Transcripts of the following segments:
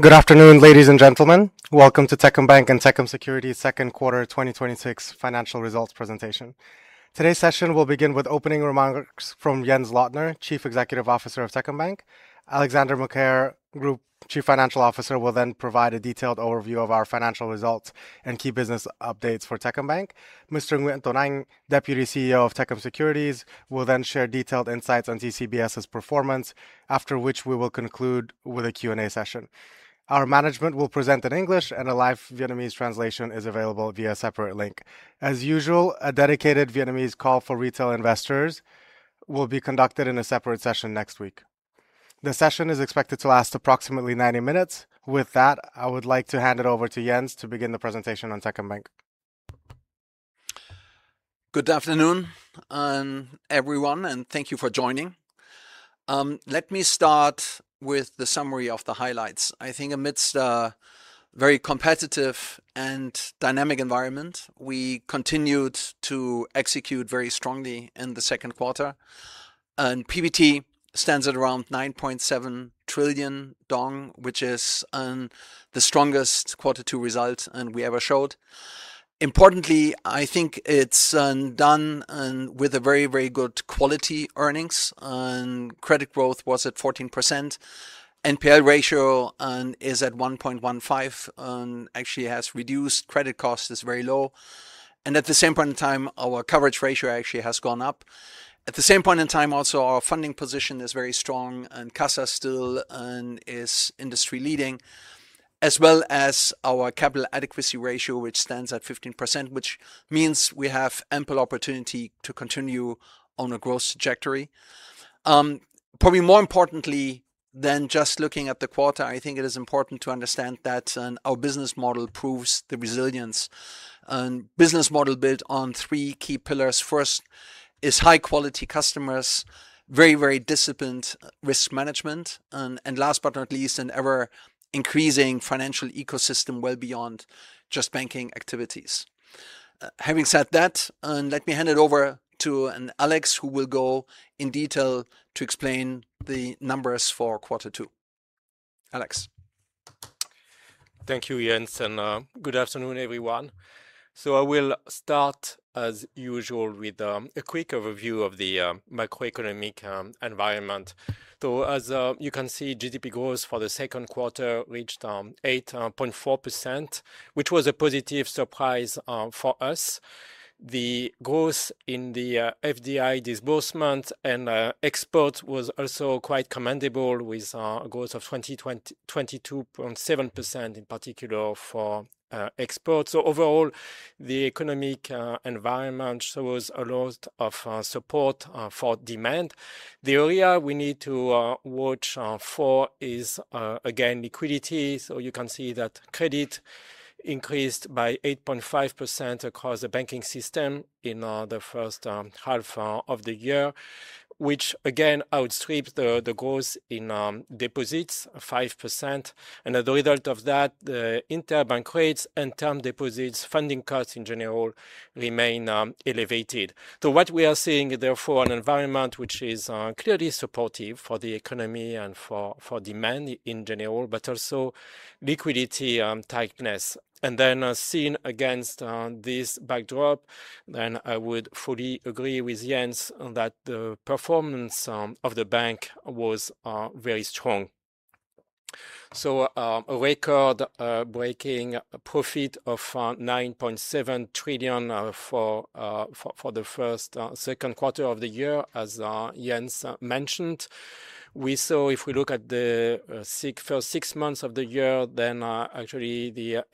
Good afternoon, ladies and gentlemen. Welcome to Techcombank and Techcom Securities second quarter 2026 financial results presentation. Today's session will begin with opening remarks from Jens Lottner, Chief Executive Officer of Techcombank. Alexandre Macaire, Group Chief Financial Officer, will then provide a detailed overview of our financial results and key business updates for Techcombank. Mr. Nguyen Tuan Anh, Deputy CEO of Techcom Securities, will then share detailed insights on TCBS's performance, after which we will conclude with a Q&A session. Our management will present in English, and a live Vietnamese translation is available via separate link. As usual, a dedicated Vietnamese call for retail investors will be conducted in a separate session next week. The session is expected to last approximately 90 minutes. With that, I would like to hand it over to Jens to begin the presentation on Techcombank. Good afternoon, everyone, and thank you for joining. Let me start with the summary of the highlights. I think amidst a very competitive and dynamic environment, we continued to execute very strongly in the second quarter, and PBT stands at around 9.7 trillion dong, which is the strongest quarter two result we ever showed. Importantly, I think it's done with very, very good quality earnings. Credit growth was at 14%, NPL ratio is at 1.15%, and actually has reduced credit costs is very low. At the same point in time, our coverage ratio actually has gone up. At the same point in time also, our funding position is very strong, and CASA still is industry leading, as well as our capital adequacy ratio, which stands at 15%, which means we have ample opportunity to continue on a growth trajectory. Probably more importantly than just looking at the quarter, I think it is important to understand that our business model proves the resilience. Business model built on three key pillars. First is high-quality customers, very, very disciplined risk management, and last but not least, an ever-increasing financial ecosystem well beyond just banking activities. Having said that, let me hand it over to Alex, who will go in detail to explain the numbers for quarter two. Alex. Thank you, Jens, and good afternoon, everyone. I will start, as usual, with a quick overview of the macroeconomic environment. As you can see, GDP growth for the second quarter reached 8.4%, which was a positive surprise for us. The growth in the FDI disbursement and exports was also quite commendable with a growth of 22.7% in particular for exports. Overall, the economic environment shows a lot of support for demand. The area we need to watch for is, again, liquidity. You can see that credit increased by 8.5% across the banking system in the first half of the year, which again, outstrips the growth in deposits, 5%. As a result of that, the interbank rates and term deposits, funding costs in general, remain elevated. What we are seeing, therefore, an environment which is clearly supportive for the economy and for demand in general, but also liquidity tightness. As seen against this backdrop, then I would fully agree with Jens that the performance of the bank was very strong. A record-breaking profit of 9.7 trillion for the second quarter of the year, as Jens mentioned. We saw if we look at the first six months of the year, the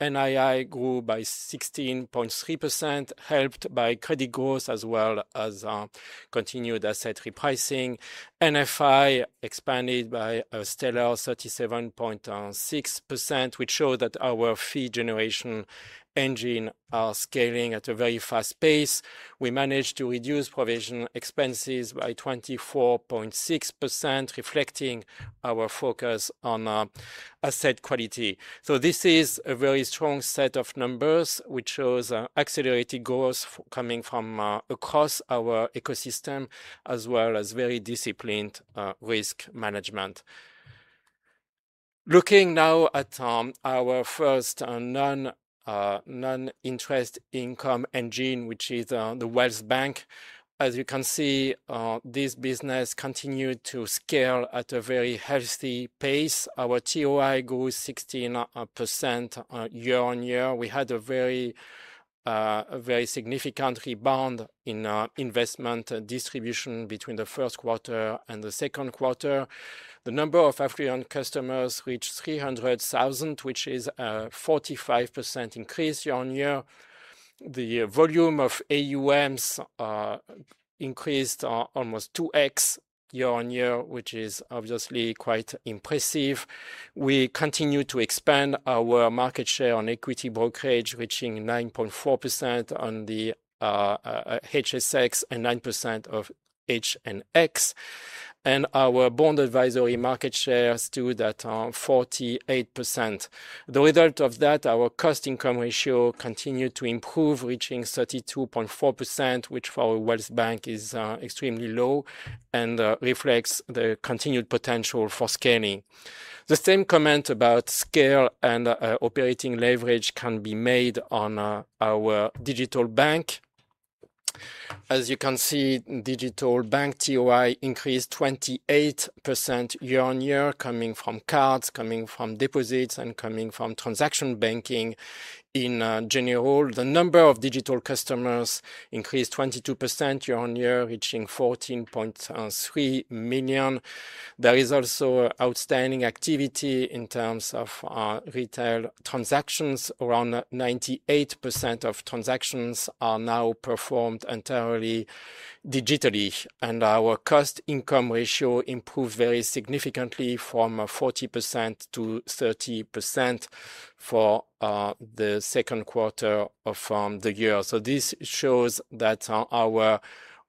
NII grew by 16.3%, helped by credit growth, as well as continued asset repricing. NFI expanded by a stellar 37.6%, which showed that our fee generation engine are scaling at a very fast pace. We managed to reduce provision expenses by 24.6%, reflecting our focus on asset quality. This is a very strong set of numbers, which shows accelerated growth coming from across our ecosystem, as well as very disciplined risk management. Looking now at our first non-interest income engine, which is the wealth bank. As you can see, this business continued to scale at a very healthy pace. Our TOI grew 16% year-on-year. We had a very significant rebound in investment distribution between the first quarter and the second quarter. The number of affluent customers reached 300,000, which is a 45% increase year-on-year. The volume of AUMs increased almost 2x year-on-year, which is obviously quite impressive. We continue to expand our market share on equity brokerage, reaching 9.4% on the HSX and 9% of HNX, and our bond advisory market share stood at 48%. The result of that, our cost-to-income ratio continued to improve, reaching 32.4%, which for a wealth bank is extremely low and reflects the continued potential for scaling. The same comment about scale and operating leverage can be made on our digital bank. As you can see, digital bank TOI increased 28% year-on-year, coming from cards, coming from deposits, and coming from transaction banking in general. The number of digital customers increased 22% year-on-year, reaching 14.3 million. There is also outstanding activity in terms of our retail transactions. Around 98% of transactions are now performed entirely digitally, and our cost-to-income ratio improved very significantly from 40% to 30% for the second quarter of the year. This shows that our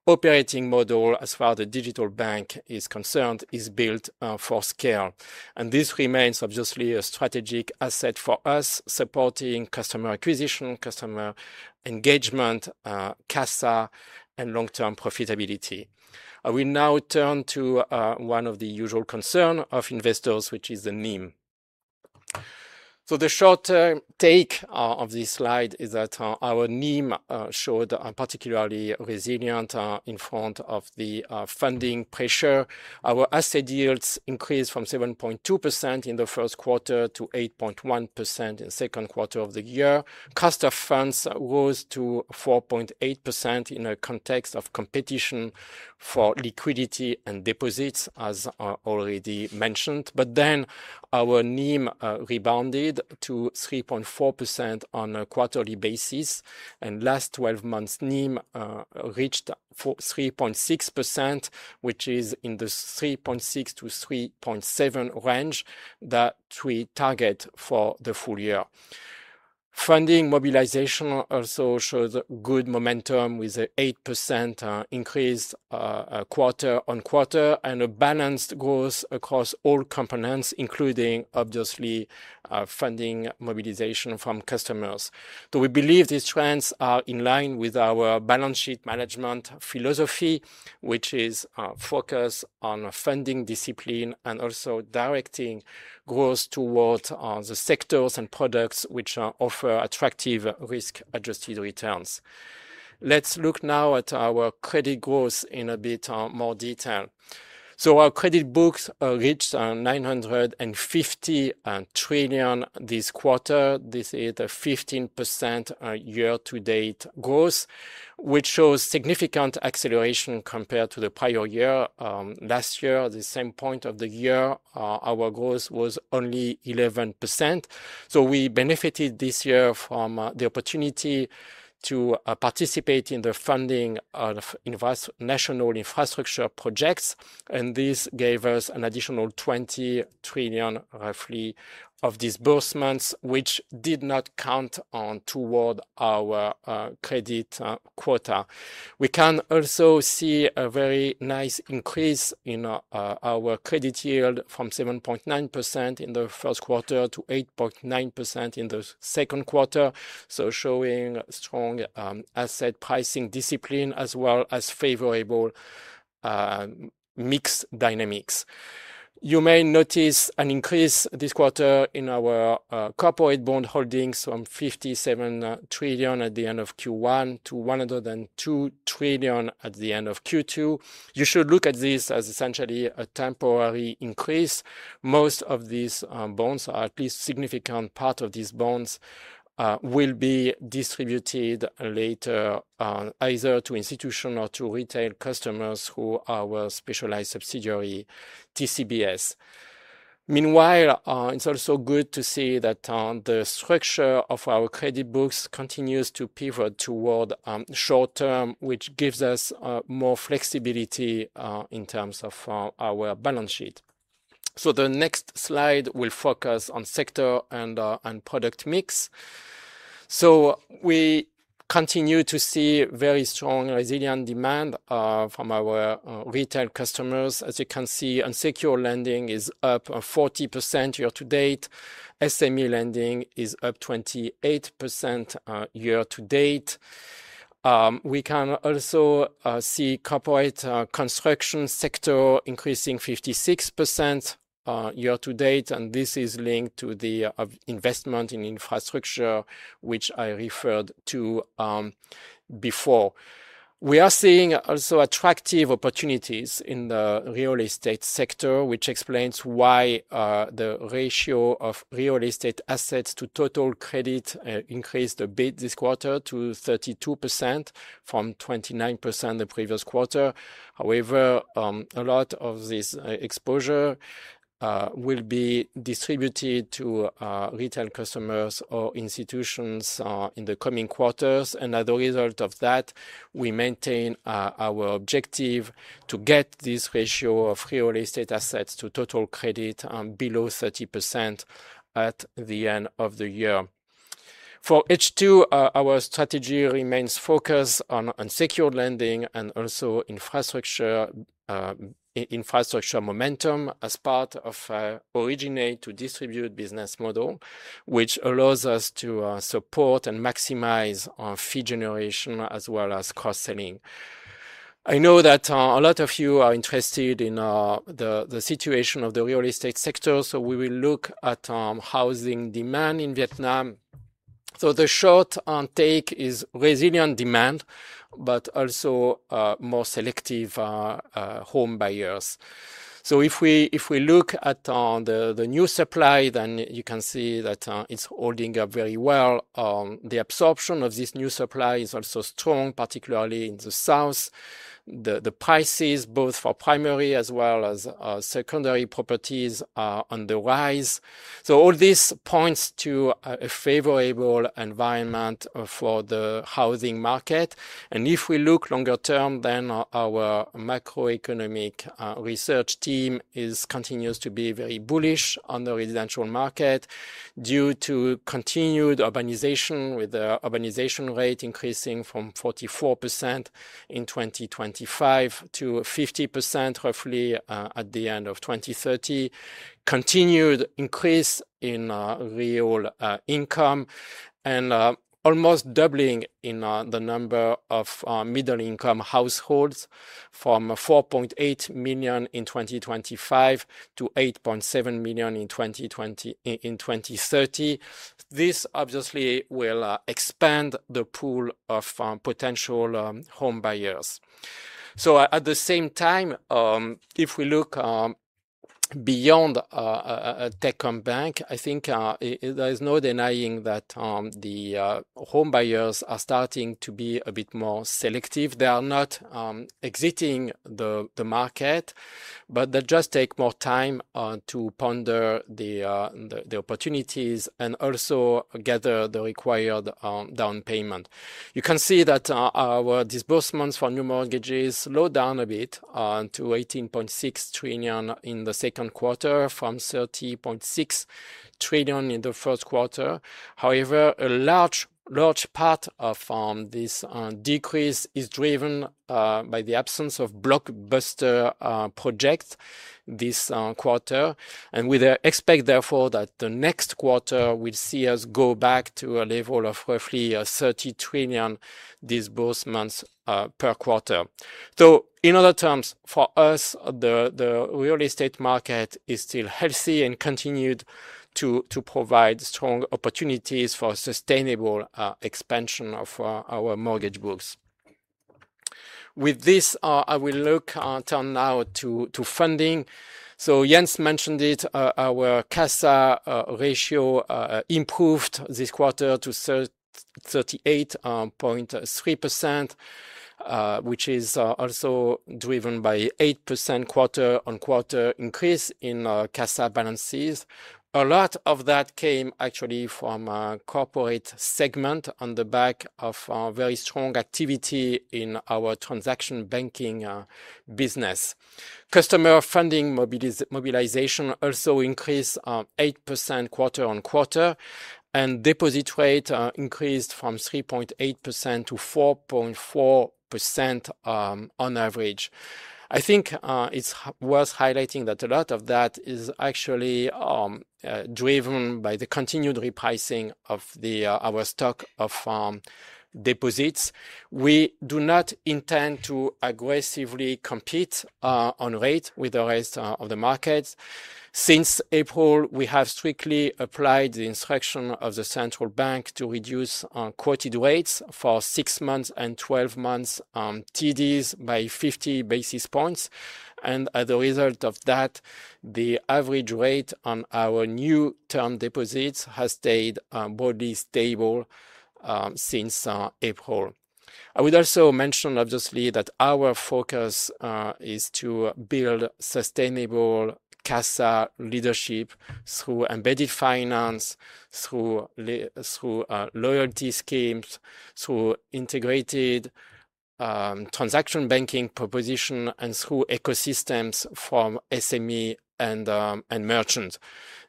operating model, as far the digital bank is concerned, is built for scale. This remains obviously a strategic asset for us, supporting customer acquisition, customer engagement, CASA, and long-term profitability. I will now turn to one of the usual concern of investors, which is the NIM. The short-term take of this slide is that our NIM showed particularly resilient in front of the funding pressure. Our asset yields increased from 7.2% in the first quarter to 8.1% in the second quarter of the year. Cost of funds rose to 4.8% in a context of competition for liquidity and deposits, as already mentioned. But then, our NIM rebounded to 3.4% on a quarterly basis, and last 12 months, NIM reached 3.6%, which is in the 3.6%-3.7% range that we target for the full year. Funding mobilization also showed good momentum with 8% increase quarter-on-quarter, and a balanced growth across all components, including obviously, funding mobilization from customers. We believe these trends are in line with our balance sheet management philosophy, which is focused on funding discipline and also directing growth towards the sectors and products which offer attractive risk-adjusted returns. Let's look now at our credit growth in a bit more detail. Our credit books reached 950 trillion this quarter. This is a 15% year-to-date growth, which shows significant acceleration compared to the prior year. Last year, at the same point of the year, our growth was only 11%. We benefited this year from the opportunity to participate in the funding of national infrastructure projects, and this gave us an additional 20 trillion, roughly, of disbursements, which did not count on toward our credit quota. We can also see a very nice increase in our credit yield from 7.9% in the first quarter to 8.9% in the second quarter, showing strong asset pricing discipline as well as favorable mix dynamics. You may notice an increase this quarter in our corporate bond holdings from 57 trillion at the end of Q1 to 102 trillion at the end of Q2. You should look at this as essentially a temporary increase. Most of these bonds, or at least a significant part of these bonds, will be distributed later, either to institutional or to retail customers who are our specialized subsidiary, TCBS. Meanwhile, it's also good to see that the structure of our credit books continues to pivot toward short-term, which gives us more flexibility in terms of our balance sheet. The next slide will focus on sector and product mix. We continue to see very strong resilient demand from our retail customers. As you can see, unsecured lending is up 40% year-to-date. SME lending is up 28% year-to-date. We can also see corporate construction sector increasing 56% year-to-date, and this is linked to the investment in infrastructure, which I referred to before. We are seeing also attractive opportunities in the real estate sector, which explains why the ratio of real estate assets to total credit increased a bit this quarter to 32% from 29% the previous quarter. However, a lot of this exposure will be distributed to retail customers or institutions in the coming quarters. As a result of that, we maintain our objective to get this ratio of real estate assets to total credit below 30% at the end of the year. For H2, our strategy remains focused on secured lending and also infrastructure momentum as part of originate-to-distribute business model, which allows us to support and maximize our fee generation as well as cross-selling. I know that a lot of you are interested in the situation of the real estate sector, so we will look at housing demand in Vietnam. The short take is resilient demand, but also more selective home buyers. If we look at the new supply, then you can see that it's holding up very well. The absorption of this new supply is also strong, particularly in the south. The prices, both for primary as well as secondary properties, are on the rise. All this points to a favorable environment for the housing market. If we look longer term, then our macroeconomic research team continues to be very bullish on the residential market due to continued urbanization, with the urbanization rate increasing from 44% in 2025 to 50% roughly at the end of 2030; continued increase in real income; and almost doubling in the number of middle-income households from 4.8 million in 2025 to 8.7 million in 2030. This obviously will expand the pool of potential home buyers. At the same time, if we look beyond Techcombank, I think there is no denying that the home buyers are starting to be a bit more selective. They are not exiting the market, but they just take more time to ponder the opportunities and also gather the required down payment. You can see that our disbursements for new mortgages slowed down a bit to 18.6 trillion in the second quarter from 30.6 trillion in the first quarter. However, a large part of this decrease is driven by the absence of blockbuster projects this quarter. We expect, therefore, that the next quarter will see us go back to a level of roughly 30 trillion disbursements per quarter. In other terms, for us, the real estate market is still healthy and continued to provide strong opportunities for sustainable expansion of our mortgage books. With this, I will look now to funding. Jens mentioned it, our CASA ratio improved this quarter to 38.3%, which is also driven by 8% quarter-on-quarter increase in our CASA balances. A lot of that came actually from a corporate segment on the back of very strong activity in our transaction banking business. Customer funding mobilization also increased 8% quarter-on-quarter, and deposit rate increased from 3.8% to 4.4% on average. I think it is worth highlighting that a lot of that is actually driven by the continued repricing of our stock of deposits. We do not intend to aggressively compete on rate with the rest of the market. Since April, we have strictly applied the instruction of the central bank to reduce quoted rates for six months and 12 months TDs by 50 basis points, and as a result of that, the average rate on our new term deposits has stayed broadly stable since April. I would also mention, obviously, that our focus is to build sustainable CASA leadership through embedded finance, through loyalty schemes, through integrated transaction banking proposition, and through ecosystems from SME and merchants.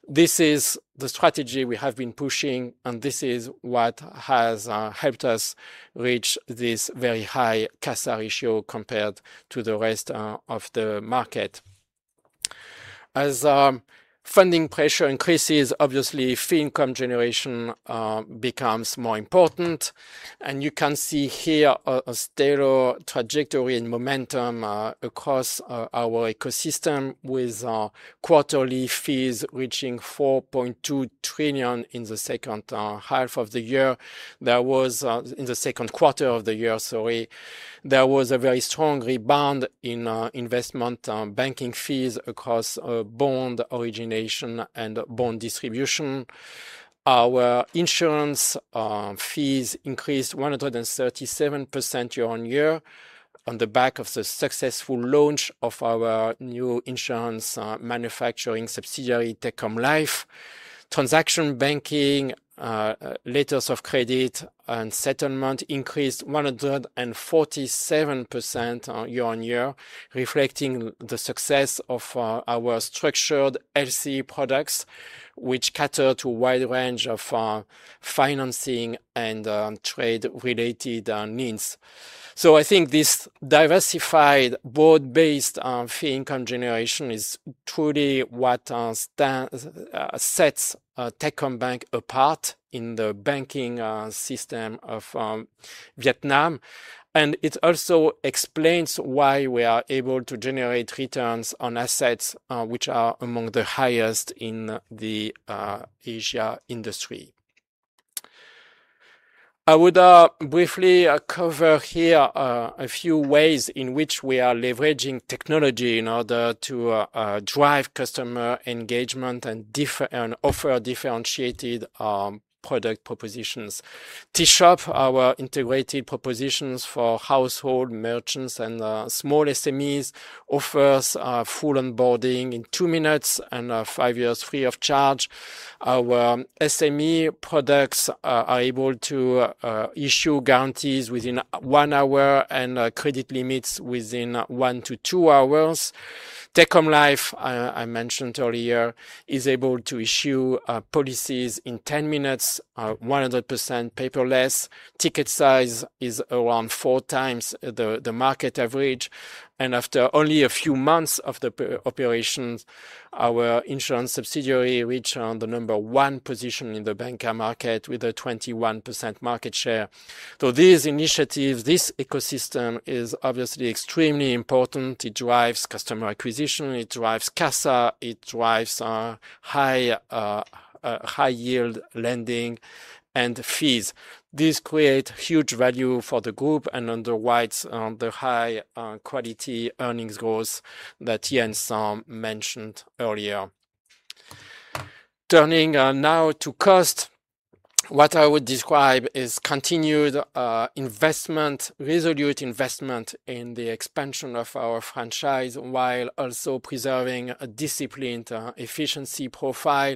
This is the strategy we have been pushing, and this is what has helped us reach this very high CASA ratio compared to the rest of the market. As funding pressure increases, obviously, fee income generation becomes more important, and you can see here a stellar trajectory and momentum across our ecosystem with quarterly fees reaching 4.2 trillion in the second quarter of the year. There was a very strong rebound in investment banking fees across bond origination and bond distribution. Our insurance fees increased 137% year-on-year on the back of the successful launch of our new insurance manufacturing subsidiary, Techcom Life. Transaction banking, letters of credit, and settlement increased 147% year-on-year, reflecting the success of our structured LC products, which cater to a wide range of financing and trade-related needs. I think this diversified, broad-based fee income generation is truly what sets Techcombank apart in the banking system of Vietnam, and it also explains why we are able to generate returns on assets which are among the highest in the Asia industry. I would briefly cover here a few ways in which we are leveraging technology in order to drive customer engagement and offer differentiated product propositions. T-Shop, our integrated propositions for household merchants and small SMEs, offers full onboarding in two minutes and five years free of charge. Our SME products are able to issue guarantees within one hour and credit limits within one to two hours. Techcom Life, I mentioned earlier, is able to issue policies in 10 minutes, 100% paperless. Ticket size is around four times the market average. And after only a few months of the operations, our insurance subsidiary reached the number one position in the banca market with a 21% market share. These initiatives, this ecosystem is obviously extremely important. It drives customer acquisition, it drives CASA, it drives high yield lending and fees. This creates huge value for the group and underwrites the high-quality earnings growth that Jens mentioned earlier. Turning now to cost, what I would describe is continued investment, resolute investment in the expansion of our franchise, while also preserving a disciplined efficiency profile.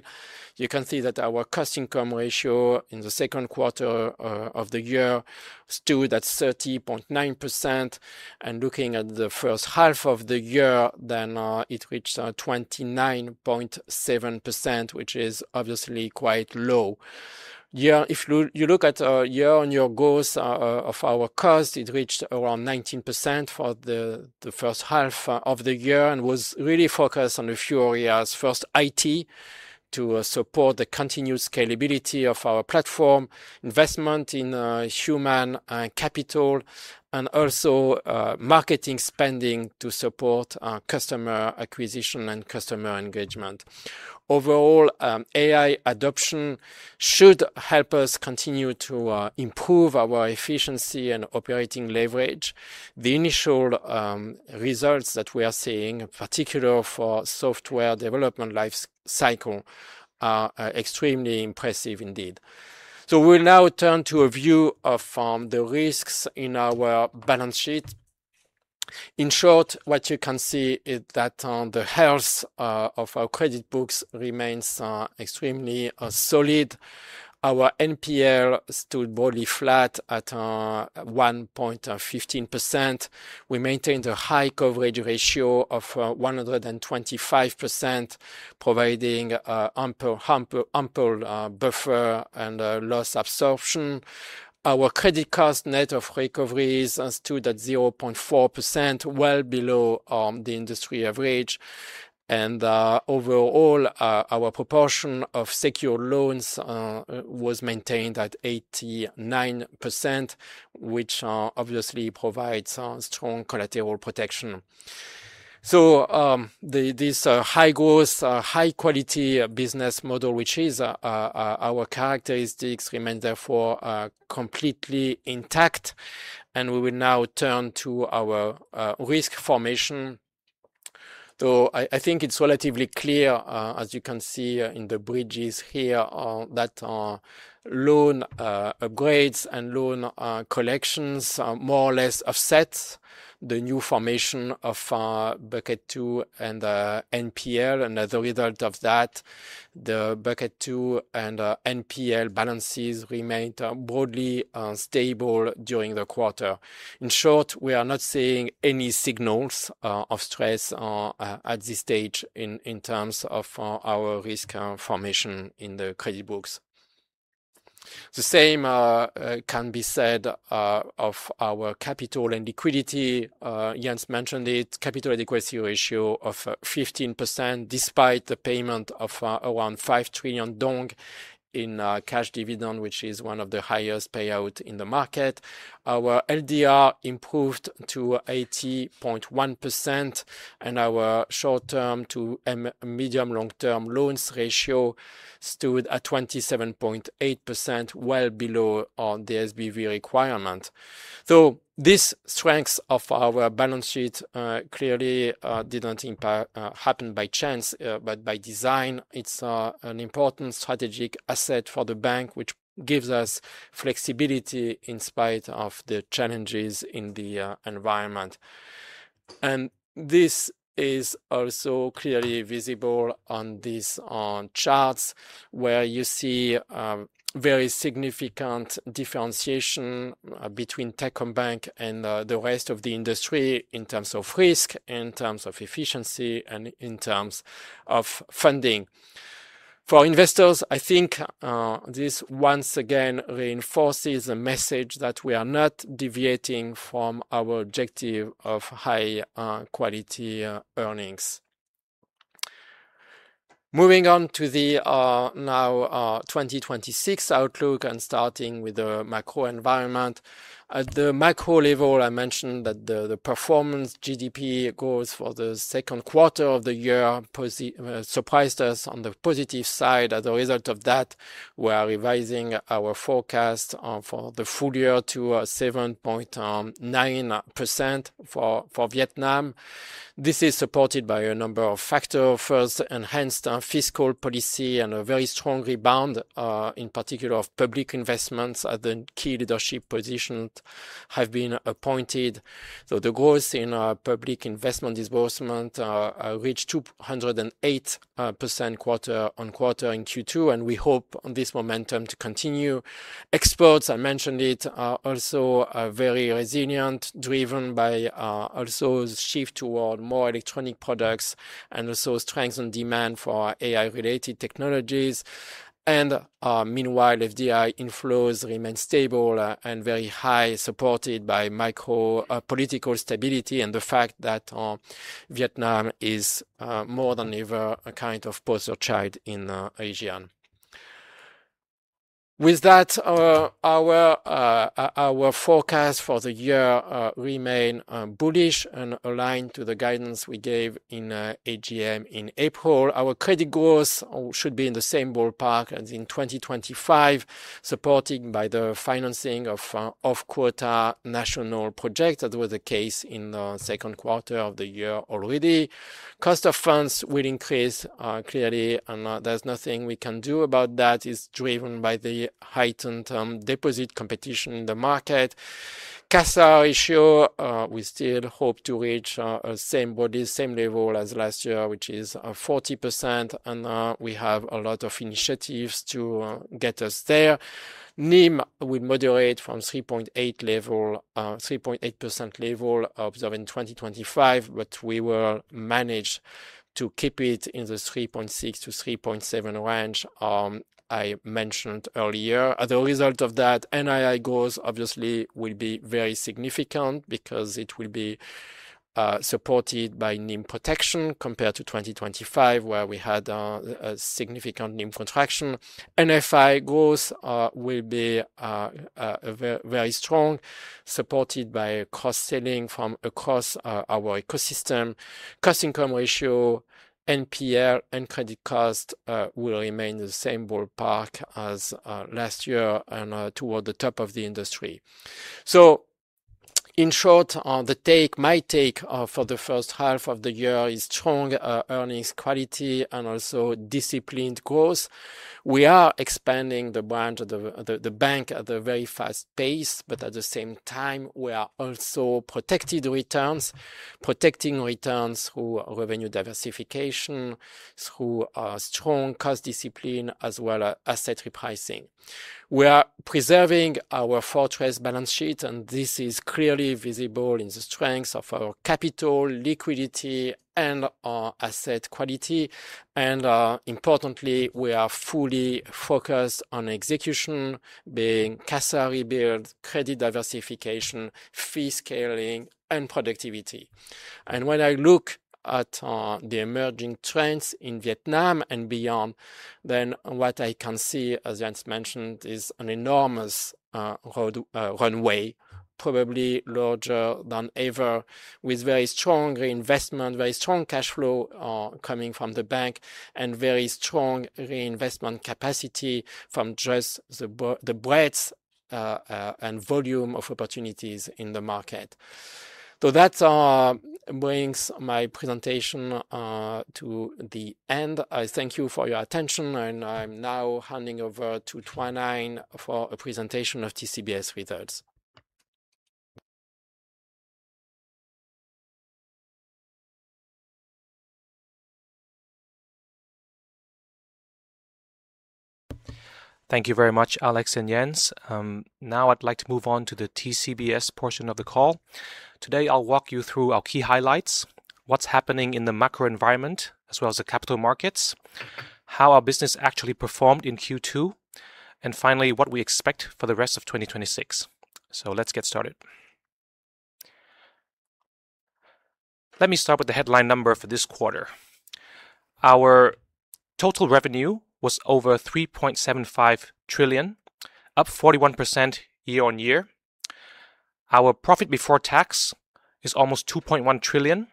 You can see that our cost-to-income ratio in the second quarter of the year stood at 30.9%, and looking at the first half of the year, then it reached 29.7%, which is obviously quite low. If you look at year-on-year growth of our cost, it reached around 19% for the first half of the year and was really focused on a few areas. First, IT, to support the continued scalability of our platform, investment in human capital, and also marketing spending to support customer acquisition and customer engagement. Overall, AI adoption should help us continue to improve our efficiency and operating leverage. The initial results that we are seeing, particularly for software development life cycle, are extremely impressive indeed. We'll now turn to a view of the risks in our balance sheet. In short, what you can see is that the health of our credit books remains extremely solid. Our NPL stood broadly flat at 1.15%. We maintained a high coverage ratio of 125%, providing ample buffer and loss absorption. Our credit cost net of recoveries stood at 0.4%, well below the industry average. And overall, our proportion of secure loans was maintained at 89%, which obviously provides strong collateral protection. This high growth, high quality business model which is our characteristics remain therefore completely intact, and we will now turn to our risk formation. Though I think it's relatively clear, as you can see in the bridges here, that loan upgrades and loan collections more or less offset the new formation of Bucket 2 and NPL. And as a result of that, the Bucket 2 and NPL balances remained broadly stable during the quarter. In short, we are not seeing any signals of stress at this stage in terms of our risk formation in the credit books. The same can be said of our capital and liquidity. Jens mentioned it, capital adequacy ratio of 15%, despite the payment of around 5 trillion dong in cash dividend, which is one of the highest payouts in the market. Our LDR improved to 80.1%, and our short-term to medium long-term loans ratio stood at 27.8%, well below the SBV requirement. This strength of our balance sheet clearly didn't happen by chance but by design. It's an important strategic asset for the bank, which gives us flexibility in spite of the challenges in the environment. This is also clearly visible on these charts, where you see very significant differentiation between Techcombank and the rest of the industry in terms of risk, in terms of efficiency, and in terms of funding. For investors, I think this once again reinforces a message that we are not deviating from our objective of high-quality earnings. Moving on to the 2026 outlook and starting with the macro environment. At the macro level, I mentioned that the performance GDP growth for the second quarter of the year surprised us on the positive side. As a result of that, we are revising our forecast for the full year to 7.9% for Vietnam. This is supported by a number of factors. First, enhanced fiscal policy and a very strong rebound, in particular of public investments as the key leadership positions have been appointed. The growth in public investment disbursement reached 208% quarter-on-quarter in Q2, and we hope this momentum to continue. Exports, I mentioned it, are also very resilient, driven by, also, a shift toward more electronic products and also strengthened demand for AI-related technologies. Meanwhile, FDI inflows remain stable and very high, supported by macro political stability and the fact that Vietnam is, more than ever, a kind of poster child in Asia. With that, our forecast for the year remains bullish and aligned to the guidance we gave in AGM in April. Our credit growth should be in the same ballpark as in 2025, supported by the financing of off-quota national projects. That was the case in the second quarter of the year already. Cost of funds will increase, clearly. There's nothing we can do about that. It's driven by the heightened deposit competition in the market. CASA ratio, we still hope to reach the same level as last year, which is 40%, and we have a lot of initiatives to get us there. NIM will moderate from 3.8% level observed in 2025, but we will manage to keep it in the 3.6%-3.7% range I mentioned earlier. As a result of that, NII growth, obviously, will be very significant because it will be supported by NIM protection compared to 2025, where we had a significant NIM contraction. NFI growth will be very strong, supported by cross-selling from across our ecosystem. Cost-to-income ratio, NPL, and credit cost will remain the same ballpark as last year and toward the top of the industry. In short, my take for the first half of the year is strong earnings quality and also disciplined growth. We are expanding the bank at a very fast pace. At the same time, we are also protecting returns, protecting returns through revenue diversification, through strong cost discipline, as well as asset repricing. We are preserving our fortress balance sheet, and this is clearly visible in the strength of our capital, liquidity, and our asset quality. Importantly, we are fully focused on execution, being CASA rebuild, credit diversification, fee scaling, and productivity. And when I look at the emerging trends in Vietnam and beyond, then what I can see, as Jens mentioned, is an enormous runway, probably larger than ever, with very strong reinvestment, very strong cash flow coming from the bank, and very strong reinvestment capacity from just the breadth and volume of opportunities in the market. That brings my presentation to the end. I thank you for your attention, and I'm now handing over to Tuan Anh for a presentation of TCBS results. Thank you very much, Alex and Jens. Now, I'd like to move on to the TCBS portion of the call. Today, I'll walk you through our key highlights, what's happening in the macro environment, as well as the capital markets, how our business actually performed in Q2, and finally, what we expect for the rest of 2026. Let's get started. Let me start with the headline number for this quarter. Our total revenue was over 3.75 trillion, up 41% year-on-year. Our profit before tax is almost 2.1 trillion.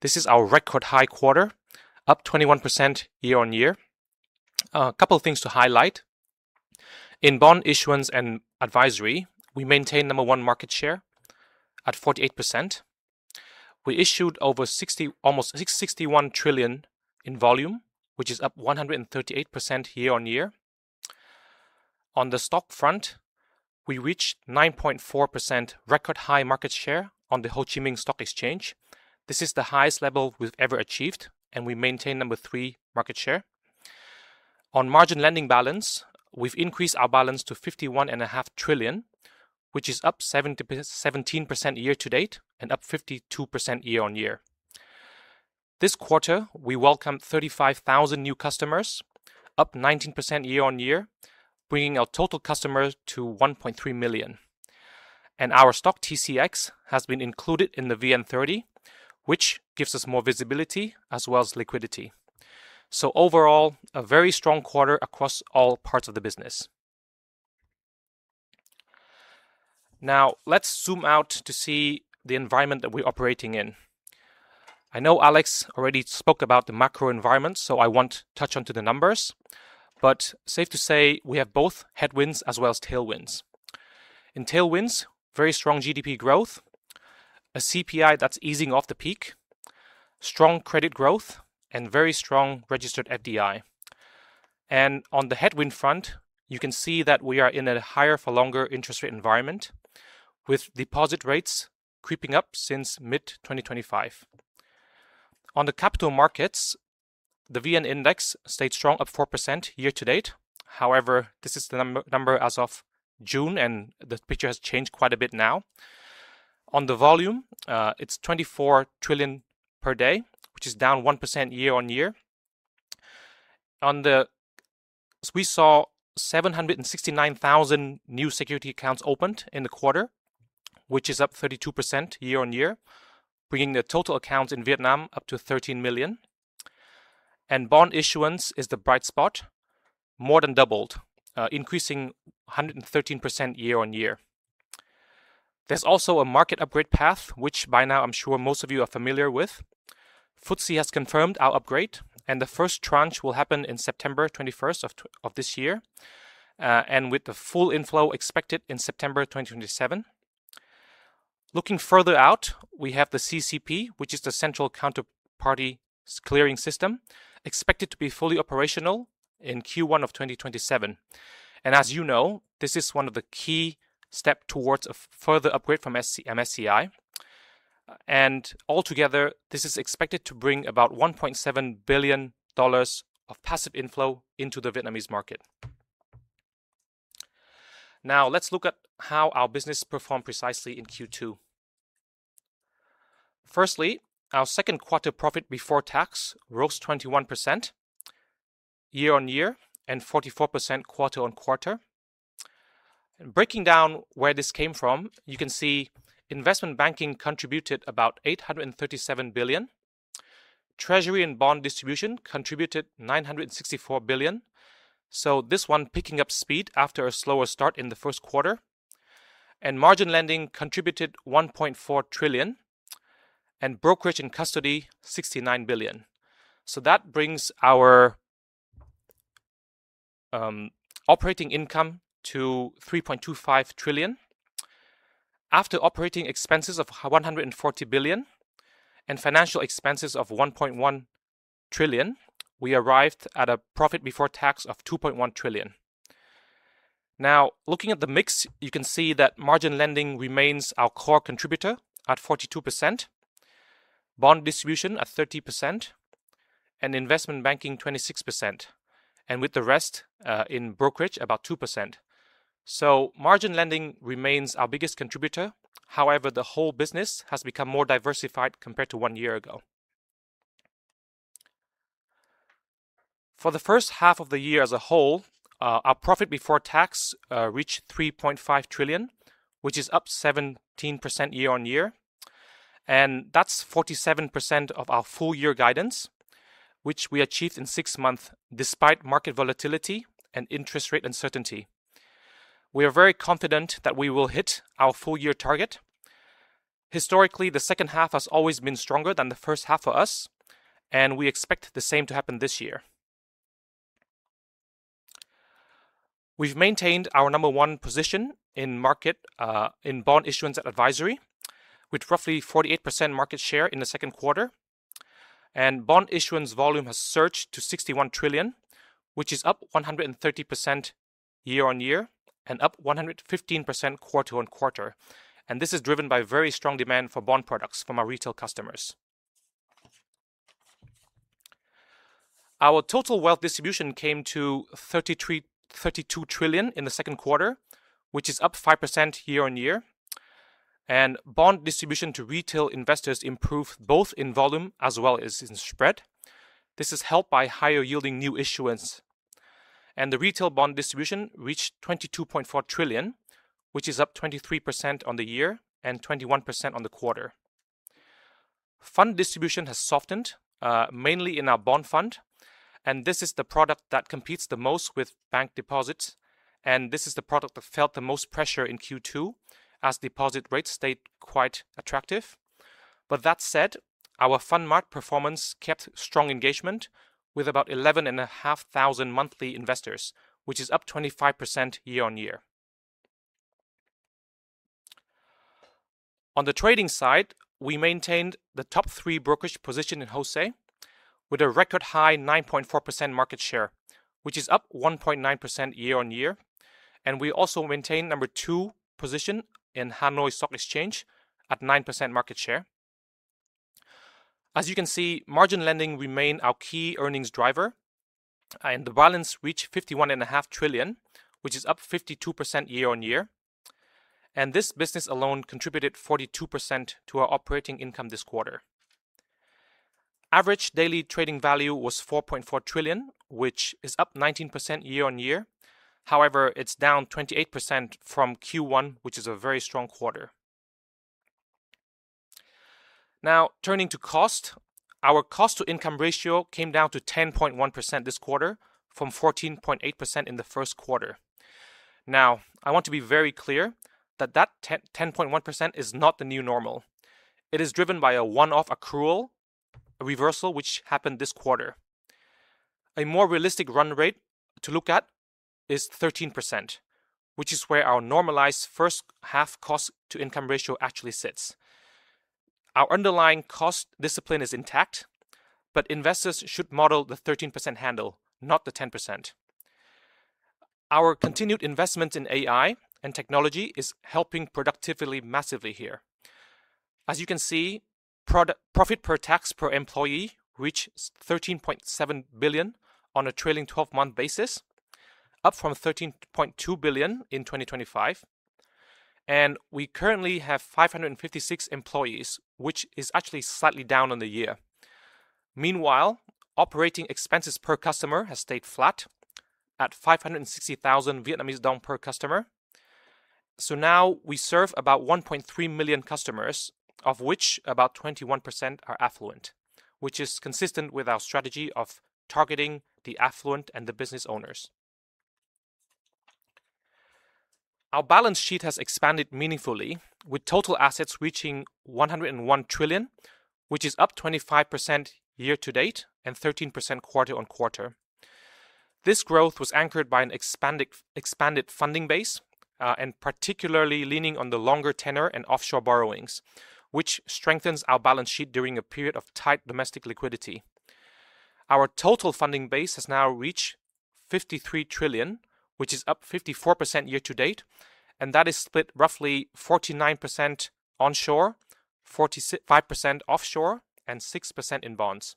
This is our record high quarter, up 21% year-on-year. A couple of things to highlight. In bond issuance and advisory, we maintained number one market share at 48%. We issued almost 61 trillion in volume, which is up 138% year-on-year. On the stock front, we reached 9.4% record high market share on the Ho Chi Minh City Stock Exchange. This is the highest level we've ever achieved, and we maintain number three market share. On margin lending balance, we've increased our balance to 51.5 trillion, which is up 17% year-to-date and up 52% year-on-year. This quarter, we welcomed 35,000 new customers, up 19% year-on-year, bringing our total customers to 1.3 million. And our stock TCX has been included in the VN30, which gives us more visibility as well as liquidity. So overall, a very strong quarter across all parts of the business. Now, let's zoom out to see the environment that we're operating in. I know Alex already spoke about the macro environment, so I won't touch on to the numbers, but safe to say, we have both headwinds as well as tailwinds. In tailwinds, very strong GDP growth, a CPI that's easing off the peak, strong credit growth, and very strong registered FDI. On the headwind front, you can see that we are in a higher for longer interest rate environment with deposit rates creeping up since mid-2025. On the capital markets, the VN-Index stayed strong at 4% year-to-date. However, this is the number as of June, and the picture has changed quite a bit now. On the volume, it's 24 trillion per day, which is down 1% year-on-year. We saw 769,000 new security accounts opened in the quarter, which is up 32% year-on-year, bringing the total accounts in Vietnam up to 13 million. And bond issuance is the bright spot, more than doubled, increasing 113% year-on-year. There's also a market upgrade path, which by now, I'm sure most of you are familiar with. FTSE has confirmed our upgrade, and the first tranche will happen in September 21st of this year, and with the full inflow expected in September 2027. Looking further out, we have the CCP, which is the central counterparty clearing system, expected to be fully operational in Q1 of 2027. As you know, this is one of the key steps towards a further upgrade from MSCI. Altogether, this is expected to bring about $1.7 billion of passive inflow into the Vietnamese market. Now, let's look at how our business performed precisely in Q2. Firstly, our second quarter profit before tax rose 21% year-on-year and 44% quarter-on-quarter. Breaking down where this came from, you can see investment banking contributed about 837 billion. Treasury and bond distribution contributed 964 billion. So, this one picking up speed after a slower start in the first quarter. And margin lending contributed 1.4 trillion, and brokerage and custody, 69 billion. That brings our operating income to 3.25 trillion. After operating expenses of 140 billion and financial expenses of 1.1 trillion, we arrived at a profit before tax of 2.1 trillion. Now, looking at the mix, you can see that margin lending remains our core contributor at 42%, bond distribution at 30%, and investment banking 26%, and with the rest in brokerage, about 2%. Margin lending remains our biggest contributor. However, the whole business has become more diversified compared to one year ago. For the first half of the year as a whole, our profit before tax reached 3.5 trillion, which is up 17% year-on-year. That's 47% of our full year guidance, which we achieved in six month despite market volatility and interest rate uncertainty. We are very confident that we will hit our full year target. Historically, the second half has always been stronger than the first half for us, and we expect the same to happen this year. We've maintained our number one position in bond issuance and advisory with roughly 48% market share in the second quarter. Bond issuance volume has surged to 61 trillion, which is up 130% year-on-year and up 115% quarter-on-quarter. This is driven by very strong demand for bond products from our retail customers. Our total wealth distribution came to 32 trillion in the second quarter, which is up 5% year-on-year. Bond distribution to retail investors improved both in volume as well as in spread. This is helped by higher yielding new issuance. The retail bond distribution reached 22.4 trillion, which is up 23% on the year and 21% on the quarter. Fund distribution has softened, mainly in our Bond Fund, and this is the product that competes the most with bank deposits, and this is the product that felt the most pressure in Q2 as deposit rates stayed quite attractive. That said, our Fundmart performance kept strong engagement with about 11,500 monthly investors, which is up 25% year-on-year. On the trading side, we maintained the top three brokerage position in HOSE with a record high 9.4% market share, which is up 1.9% year-on-year. We also maintained number two position in Hanoi Stock Exchange at 9% market share. As you can see, margin lending remain our key earnings driver, and the balance reached 51.5 trillion, which is up 52% year-on-year. This business alone contributed 42% to our operating income this quarter. Average daily trading value was 4.4 trillion, which is up 19% year-on-year. However, it's down 28% from Q1, which is a very strong quarter. Now, turning to cost. Our cost-to-income ratio came down to 10.1% this quarter from 14.8% in the first quarter. Now, I want to be very clear that that 10.1% is not the new normal. It is driven by a one-off accrual reversal, which happened this quarter. A more realistic run rate to look at is 13%, which is where our normalized first-half cost-to-income ratio actually sits. Our underlying cost discipline is intact, but investors should model the 13% handle, not the 10%. Our continued investment in AI and technology is helping productively, massively here. As you can see, profit before tax per employee reached 13.7 billion on a trailing 12-month basis, up from 13.2 billion in 2025. We currently have 556 employees, which is actually slightly down on the year. Meanwhile, operating expenses per customer has stayed flat at 560,000 per customer. Now, we serve about 1.3 million customers, of which about 21% are affluent, which is consistent with our strategy of targeting the affluent and the business owners. Our balance sheet has expanded meaningfully with total assets reaching 101 trillion, which is up 25% year-to-date and 13% quarter-on-quarter. This growth was anchored by an expanded funding base, particularly leaning on the longer tenor and offshore borrowings, which strengthens our balance sheet during a period of tight domestic liquidity. Our total funding base has now reached 53 trillion, which is up 54% year-to-date. That is split roughly 49% onshore, 45% offshore, and 6% in bonds.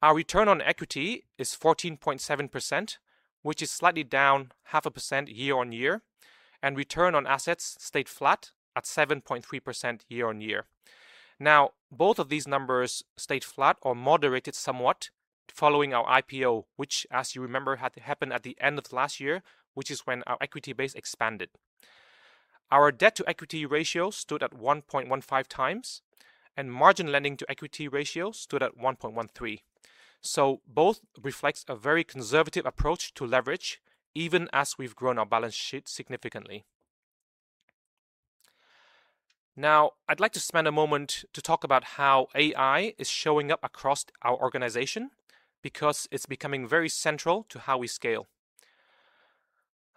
Our return on equity is 14.7%, which is slightly down 0.5% year-on-year, and return on assets stayed flat at 7.3% year-on-year. Both of these numbers stayed flat or moderated somewhat following our IPO, which as you remember, had happened at the end of last year, which is when our equity base expanded. Our debt-to-equity ratio stood at 1.15x and margin lending-to-equity ratio stood at 1.13x. Both reflects a very conservative approach to leverage even as we've grown our balance sheet significantly. Now, I'd like to spend a moment to talk about how AI is showing up across our organization, because it's becoming very central to how we scale.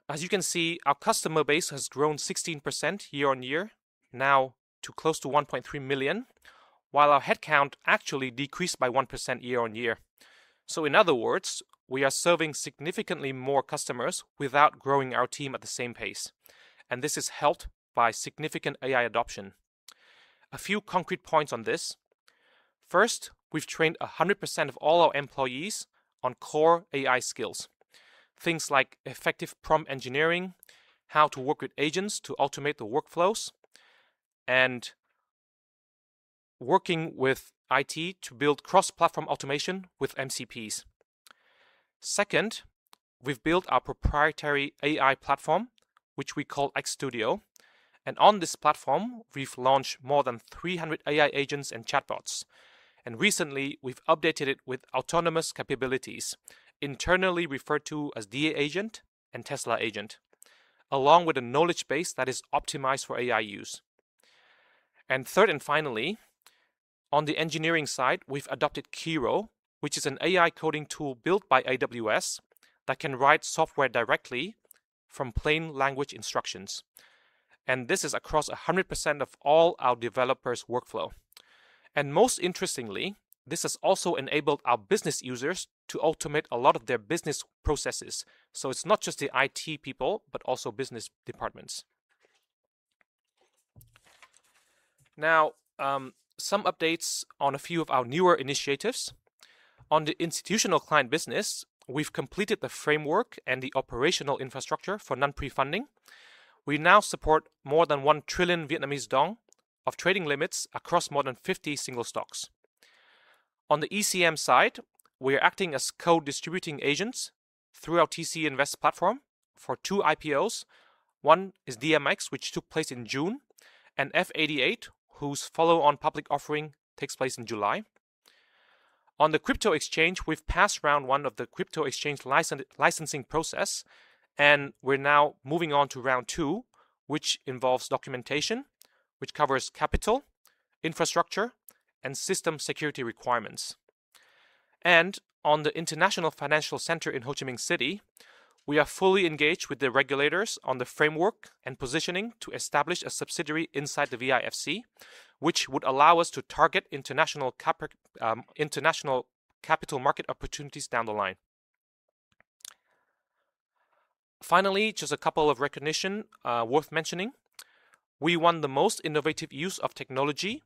As you can see, our customer base has grown 16% year-on-year now to close to 1.3 million, while our headcount actually decreased by 1% year-on-year. In other words, we are serving significantly more customers without growing our team at the same pace, and this is helped by significant AI adoption. A few concrete points on this. First, we've trained 100% of all our employees on core AI skills, things like effective prompt engineering, how to work with agents to automate the workflows, and working with IT to build cross-platform automation with MCPs. Second, we've built our proprietary AI platform, which we call X Studio, and on this platform, we've launched more than 300 AI agents and chatbots, and recently, we've updated it with autonomous capabilities, internally referred to as DA Agent and Tesla Agent, along with a knowledge base that is optimized for AI use. Third, and finally, on the engineering side, we've adopted Kiro, which is an AI coding tool built by AWS that can write software directly from plain language instructions, and this is across 100% of all our developers' workflow. Most interestingly, this has also enabled our business users to automate a lot of their business processes. So, it's not just the IT people, but also business departments. Now, some updates on a few of our newer initiatives. On the institutional client business, we've completed the framework and the operational infrastructure for non-pre-funding. We now support more than 1 trillion of trading limits across more than 50 single stocks. On the ECM side, we are acting as co-distributing agents through our TCInvest platform for two IPOs. One is DMX, which took place in June, and F88, whose follow-on public offering takes place in July. On the crypto exchange, we've passed round one of the crypto exchange licensing process, and we're now moving on to round two, which involves documentation, which covers capital, infrastructure, and system security requirements. On the Vietnam International Financial Center in Ho Chi Minh City, we are fully engaged with the regulators on the framework and positioning to establish a subsidiary inside the VIFC, which would allow us to target international capital market opportunities down the line. Finally, just a couple of recognition worth mentioning. We won the most innovative use of technology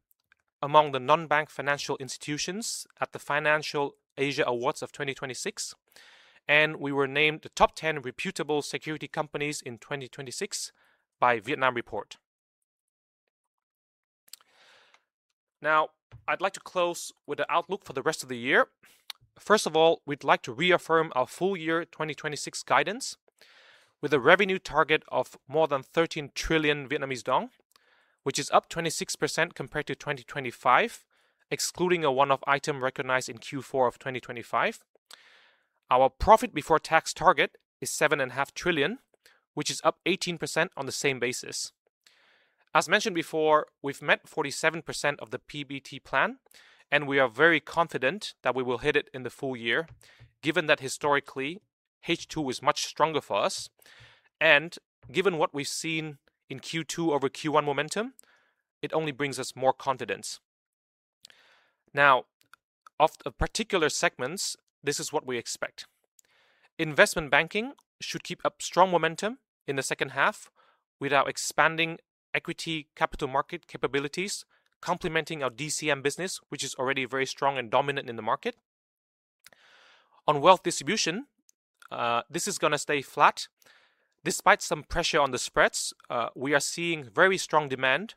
among the non-bank financial institutions at the FinanceAsia Awards of 2026, and we were named the top 10 reputable security companies in 2026 by Vietnam Report. Now, I'd like to close with an outlook for the rest of the year. First of all, we'd like to reaffirm our full year 2026 guidance with a revenue target of more than 13 trillion, which is up 26% compared to 2025, excluding a one-off item recognized in Q4 of 2025. Our profit before tax target is 7.5 trillion, which is up 18% on the same basis. As mentioned before, we've met 47% of the PBT plan, and we are very confident that we will hit it in the full year, given that historically, H2 is much stronger for us. And given what we've seen in Q2 over Q1 momentum, it only brings us more confidence. Now, of the particular segments, this is what we expect. Investment banking should keep up strong momentum in the second half with our expanding equity capital market capabilities, complementing our DCM business, which is already very strong and dominant in the market. On wealth distribution, this is going to stay flat. Despite some pressure on the spreads, we are seeing very strong demand,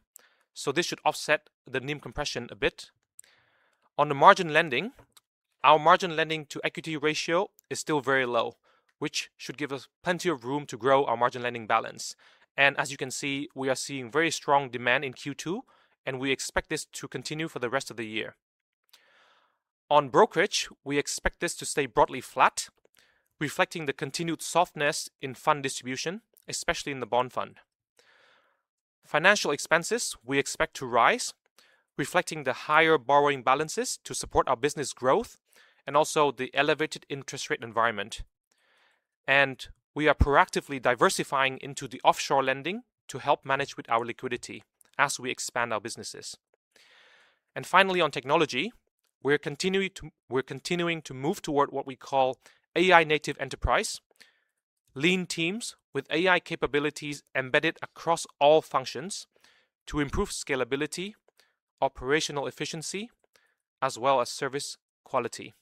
so this should offset the NIM compression a bit. On the margin lending, our margin lending to equity ratio is still very low, which should give us plenty of room to grow our margin lending balance. As you can see, we are seeing very strong demand in Q2, and we expect this to continue for the rest of the year. On brokerage, we expect this to stay broadly flat, reflecting the continued softness in fund distribution, especially in the Bond Fund. Financial expenses, we expect to rise, reflecting the higher borrowing balances to support our business growth and also the elevated interest rate environment. And we are proactively diversifying into the offshore lending to help manage with our liquidity as we expand our businesses. Finally, on technology, we're continuing to move toward what we call AI native enterprise. Lean teams with AI capabilities embedded across all functions to improve scalability, operational efficiency, as well as service quality.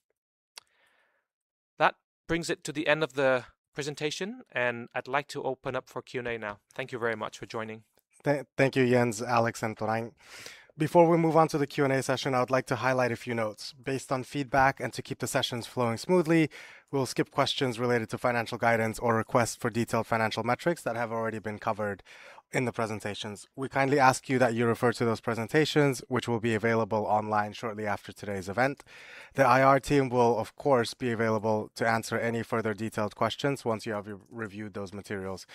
That brings it to the end of the presentation, and I'd like to open up for Q&A now. Thank you very much for joining. Thank you, Jens, Alex, and Tuan Anh. Before we move on to the Q&A session, I would like to highlight a few notes. Based on feedback and to keep the sessions flowing smoothly, we'll skip questions related to financial guidance or requests for detailed financial metrics that have already been covered in the presentations. We kindly ask you that you refer to those presentations, which will be available online shortly after today's event. The IR team will, of course, be available to answer any further detailed questions once you have reviewed those materials.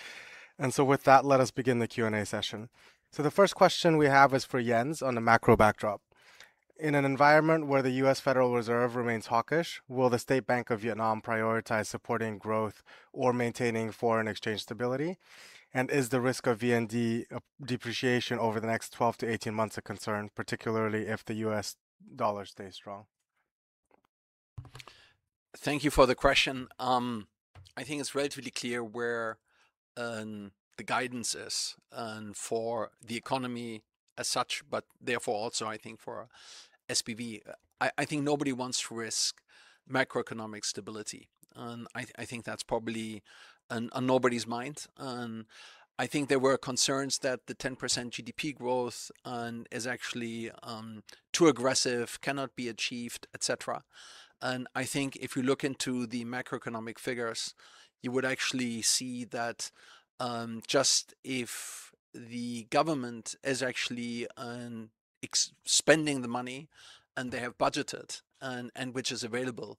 With that, let us begin the Q&A session. The first question we have is for Jens on the macro backdrop. In an environment where the U.S. Federal Reserve remains hawkish, will the State Bank of Vietnam prioritize supporting growth or maintaining foreign exchange stability? Is the risk of VND depreciation over the next 12-18 months a concern, particularly if the U.S. dollar stays strong? Thank you for the question. I think it's relatively clear where the guidance is for the economy as such, but therefore, also, I think for SBV. I think nobody wants to risk macroeconomic stability, and I think that's probably on nobody's mind. I think there were concerns that the 10% GDP growth is actually too aggressive, cannot be achieved, et cetera. I think if you look into the macroeconomic figures, you would actually see that just if the government is actually spending the money and they have budgeted, and which is available,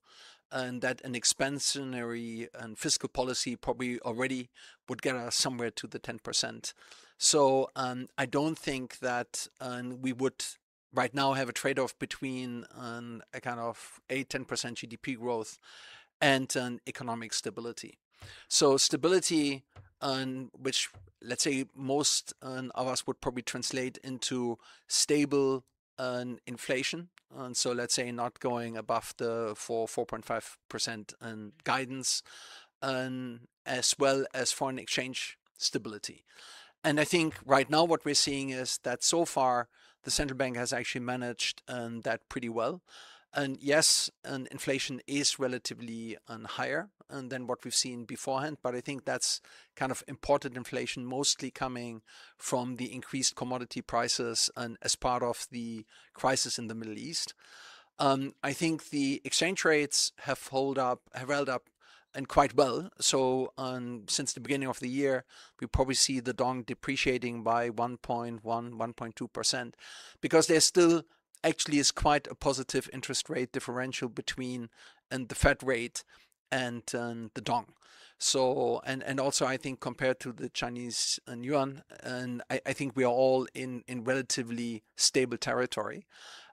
and that an expansionary and fiscal policy probably already would get us somewhere to the 10%. I don't think that we would, right now, have a trade-off between a kind of a 10% GDP growth and an economic stability. Stability, which, let's say, most of us would probably translate into stable inflation, so let's say not going above the 4.5% guidance, as well as foreign exchange stability. I think right now, what we're seeing is that so far, the central bank has actually managed that pretty well. Yes, inflation is relatively higher than what we've seen beforehand, but I think that's kind of imported inflation mostly coming from the increased commodity prices and as part of the crisis in the Middle East. I think the exchange rates have held up quite well. Since the beginning of the year, we probably see the dong depreciating by 1.1%, 1.2% because there's still actually is quite a positive interest rate differential between the Fed rate and the dong. Also, I think compared to the Chinese yuan, I think we are all in relatively stable territory.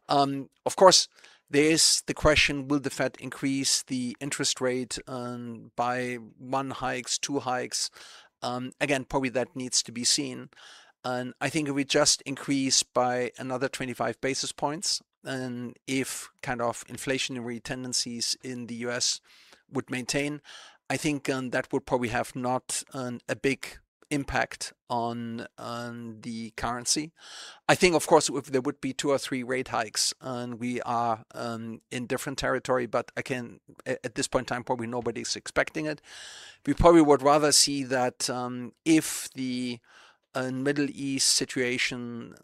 Of course, there is the question, will the Fed increase the interest rate by one hikes, two hikes? Again, probably that needs to be seen, and I think it will just increase by another 25 basis points. If kind of inflationary tendencies in the U.S. would maintain, I think that would probably have not a big impact on the currency. I think, of course, if there would be two or three rate hikes, we are in different territory, but again, at this point in time, probably nobody's expecting it. We probably would rather see that if the Middle East situation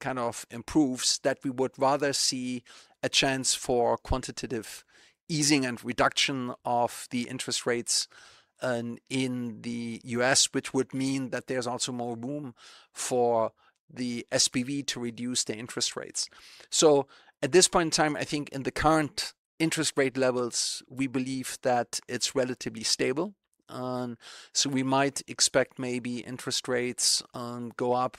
kind of improves, that we would rather see a chance for quantitative easing and reduction of the interest rates in the U.S., which would mean that there's also more room for the SBV to reduce the interest rates. At this point in time, in the current interest rate levels, we believe that it's relatively stable. We might expect maybe interest rates go up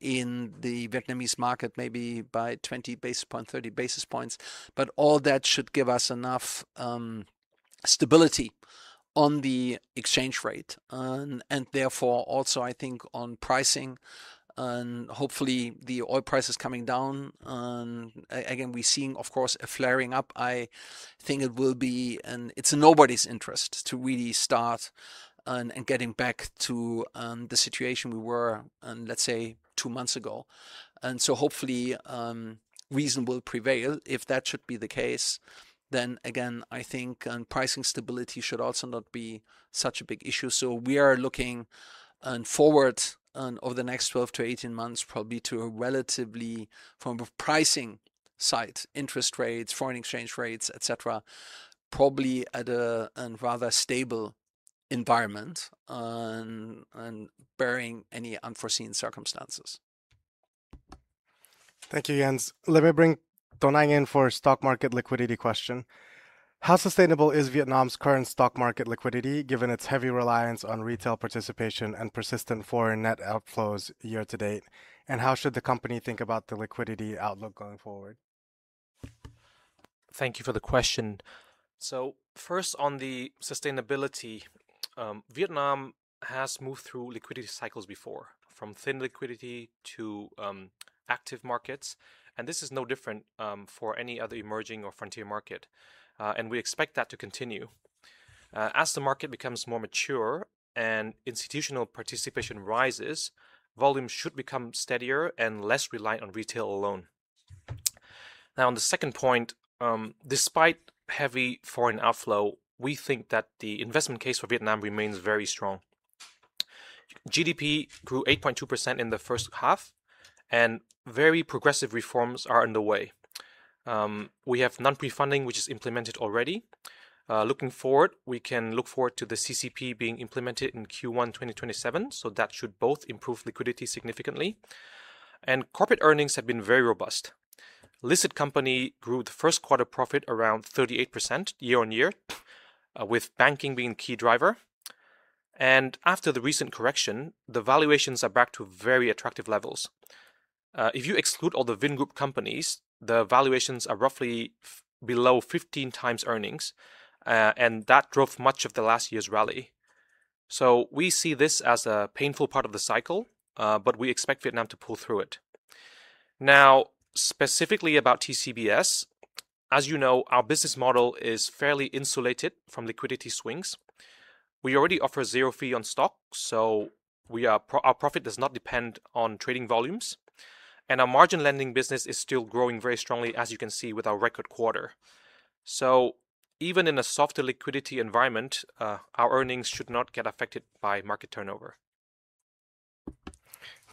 in the Vietnamese market maybe by 20 basis points, 30 basis points, but all that should give us enough stability on the exchange rate. Therefore, also, I think, on pricing and hopefully the oil prices coming down, I think we're seeing, of course, a flaring up. I think it's in nobody's interest to really start and getting back to the situation we were in, let's say, two months ago. Hopefully, reason will prevail. If that should be the case, then again, I think pricing stability should also not be such a big issue. We are looking forward over the next 12-18 months, probably to a relatively, from a pricing side, interest rates, foreign exchange rates, et cetera, probably at a rather stable environment and barring any unforeseen circumstances. Thank you, Jens. Let me bring Tuan Anh in for stock market liquidity question. How sustainable is Vietnam's current stock market liquidity, given its heavy reliance on retail participation and persistent foreign net outflows year-to-date? How should the company think about the liquidity outlook going forward? Thank you for the question. First, on the sustainability, Vietnam has moved through liquidity cycles before, from thin liquidity to active markets, and this is no different for any other emerging or frontier market. We expect that to continue. As the market becomes more mature and institutional participation rises, volumes should become steadier and less reliant on retail alone. On the second point, despite heavy foreign outflow, we think that the investment case for Vietnam remains very strong. GDP grew 8.2% in the first half, and very progressive reforms are underway. We have non-pre-funding, which is implemented already. Looking forward, we can look forward to the CCP being implemented in Q1 2027, so that should both improve liquidity significantly. And corporate earnings have been very robust. Listed company grew the first quarter profit around 38% year-on-year, with banking being key driver. After the recent correction, the valuations are back to very attractive levels. If you exclude all the Vingroup companies, the valuations are roughly below 15x earnings, and that drove much of the last year's rally. We see this as a painful part of the cycle, but we expect Vietnam to pull through it. Now, specifically about TCBS, as you know, our business model is fairly insulated from liquidity swings. We already offer zero fee on stock, so our profit does not depend on trading volumes. And our margin lending business is still growing very strongly, as you can see with our record quarter. So, even in a softer liquidity environment, our earnings should not get affected by market turnover.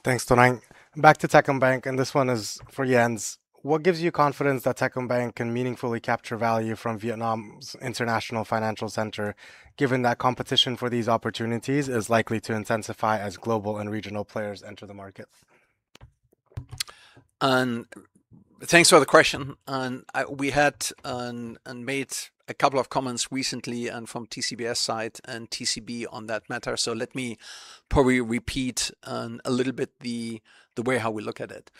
Thanks, Tuan Anh. Back to Techcombank, this one is for Jens. What gives you confidence that Techcombank can meaningfully capture value from Vietnam International Financial Center, given that competition for these opportunities is likely to intensify as global and regional players enter the market? Thanks for the question. We had and made a couple of comments recently and from TCBS side and TCB on that matter, so let me probably repeat a little bit the way how we look at it.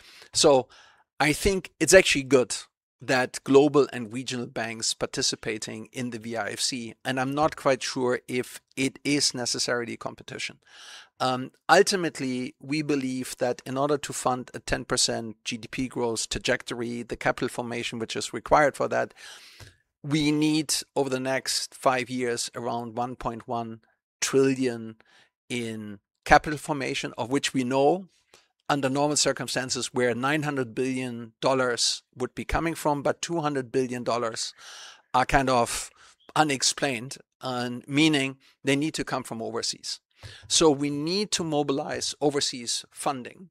I think it is actually good that global and regional banks participating in the VIFC, and I am not quite sure if it is necessarily competition. Ultimately, we believe that in order to fund a 10% GDP growth trajectory, the capital formation, which is required for that, we need over the next five years around 1.1 trillion in capital formation, of which we know under normal circumstances, where $900 billion would be coming from, but $200 billion are kind of unexplained, meaning, they need to come from overseas. We need to mobilize overseas funding,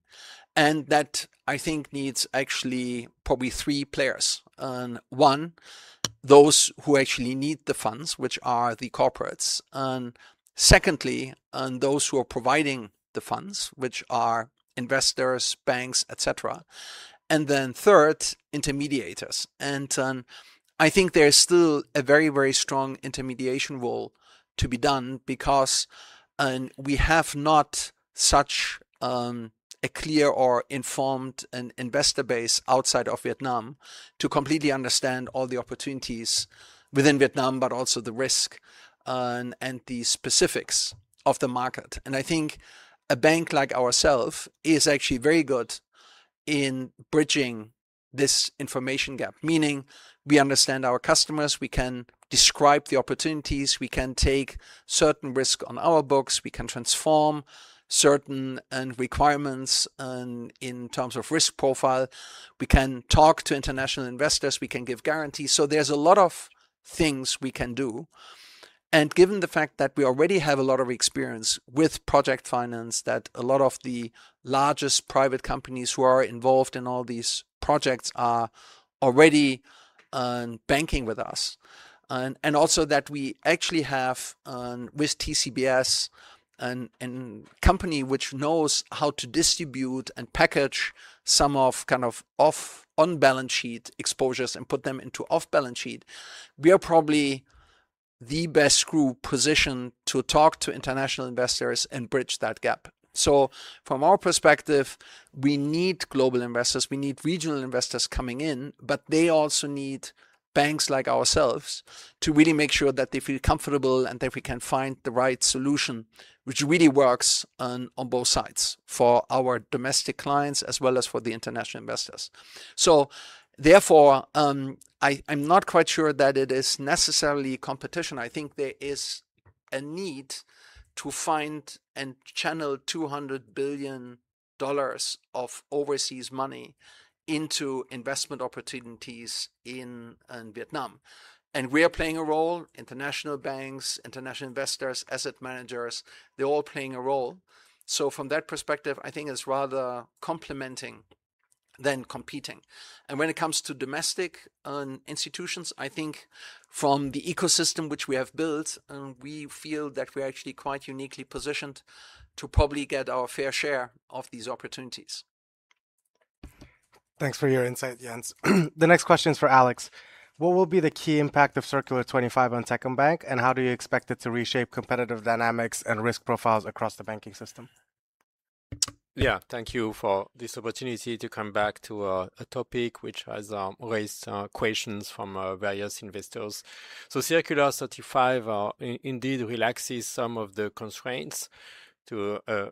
and that, I think, needs actually probably three players. One, those who actually need the funds, which are the corporates. Secondly, those who are providing the funds, which are investors, banks, et cetera. Third, intermediaries. I think there is still a very, very strong intermediation role to be done because we have not such a clear or informed investor base outside of Vietnam to completely understand all the opportunities within Vietnam, but also the risk and the specifics of the market. I think a bank like ourself is actually very good in bridging this information gap, meaning we understand our customers, we can describe the opportunities, we can take certain risk on our books, we can transform certain requirements in terms of risk profile. We can talk to international investors, we can give guarantees, so there is a lot of things we can do. Given the fact that we already have a lot of experience with project finance, that a lot of the largest private companies who are involved in all these projects are already banking with us. And also that we actually have with TCBS, a company which knows how to distribute and package some of on-balance-sheet exposures and put them into off-balance sheet. We are probably the best group positioned to talk to international investors and bridge that gap. From our perspective, we need global investors, we need regional investors coming in, but they also need banks like ourselves to really make sure that they feel comfortable and that we can find the right solution, which really works on both sides for our domestic clients as well as for the international investors. Therefore, I am not quite sure that it is necessarily competition. I think there is a need to find and channel $200 billion of overseas money into investment opportunities in Vietnam. We are playing a role. International banks, international investors, asset managers, they are all playing a role. From that perspective, I think it is rather complementing than competing. When it comes to domestic institutions, I think from the ecosystem which we have built, we feel that we are actually quite uniquely positioned to probably get our fair share of these opportunities. Thanks for your insight, Jens. The next question is for Alex. What will be the key impact of Circular 25 on Techcombank, and how do you expect it to reshape competitive dynamics and risk profiles across the banking system? Yeah. Thank you for this opportunity to come back to a topic which has raised questions from various investors. Circular 25 indeed relaxes some of the constraints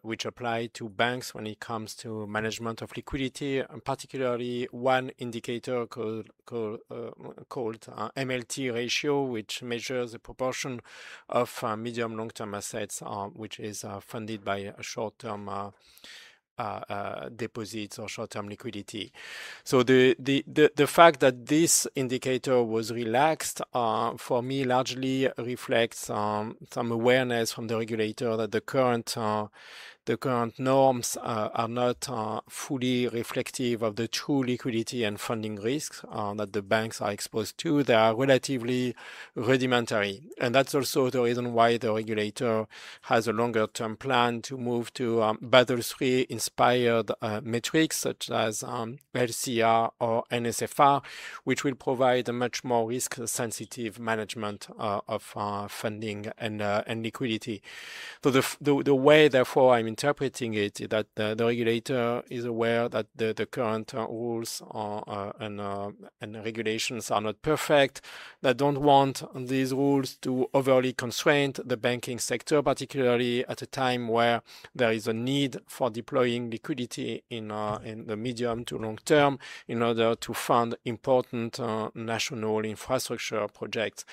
which apply to banks when it comes to management of liquidity, and particularly one indicator called MLT ratio, which measures the proportion of medium long-term assets, which is funded by short-term deposits or short-term liquidity. The fact that this indicator was relaxed for me largely reflects some awareness from the regulator that the current norms are not fully reflective of the true liquidity and funding risks that the banks are exposed to. They are relatively rudimentary, and that's also the reason why the regulator has a longer-term plan to move to Basel III-inspired metrics such as LCR or NSFR, which will provide a much more risk-sensitive management of funding and liquidity. The way, therefore, I'm interpreting it is that the regulator is aware that the current rules and regulations are not perfect. They don't want these rules to overly constrain the banking sector, particularly at a time where there is a need for deploying liquidity in the medium to long term in order to fund important national infrastructure projects.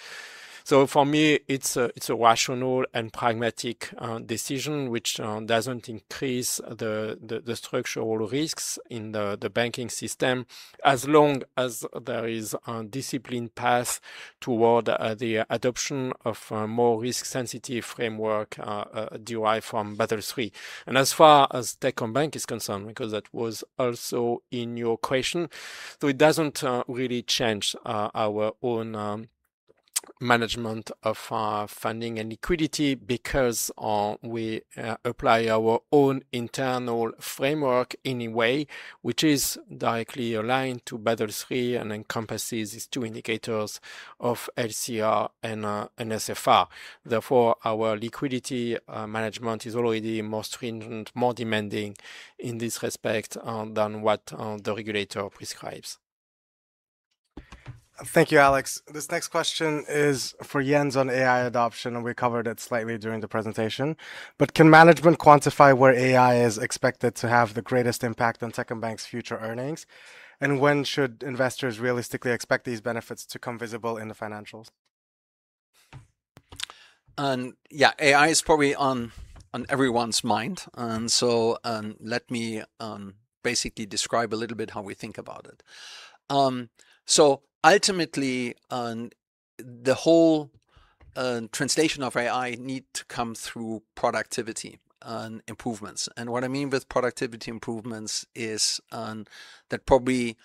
For me, it's a rational and pragmatic decision which doesn't increase the structural risks in the banking system as long as there is a disciplined path toward the adoption of a more risk-sensitive framework derived from Basel III. As far as Techcombank is concerned, because that was also in your question, it doesn't really change our own management of our funding and liquidity because we apply our own internal framework any way, which is directly aligned to Basel III and encompasses these two indicators of LCR and NSFR. Therefore, our liquidity management is already more stringent, more demanding in this respect than what the regulator prescribes. Thank you, Alex. This next question is for Jens on AI adoption. We covered it slightly during the presentation, but can management quantify where AI is expected to have the greatest impact on Techcombank's future earnings? When should investors realistically expect these benefits to become visible in the financials? Yeah, AI is probably on everyone's mind. Let me basically describe a little bit how we think about it. Ultimately, the whole translation of AI need to come through productivity improvements. What I mean with productivity improvements is that probably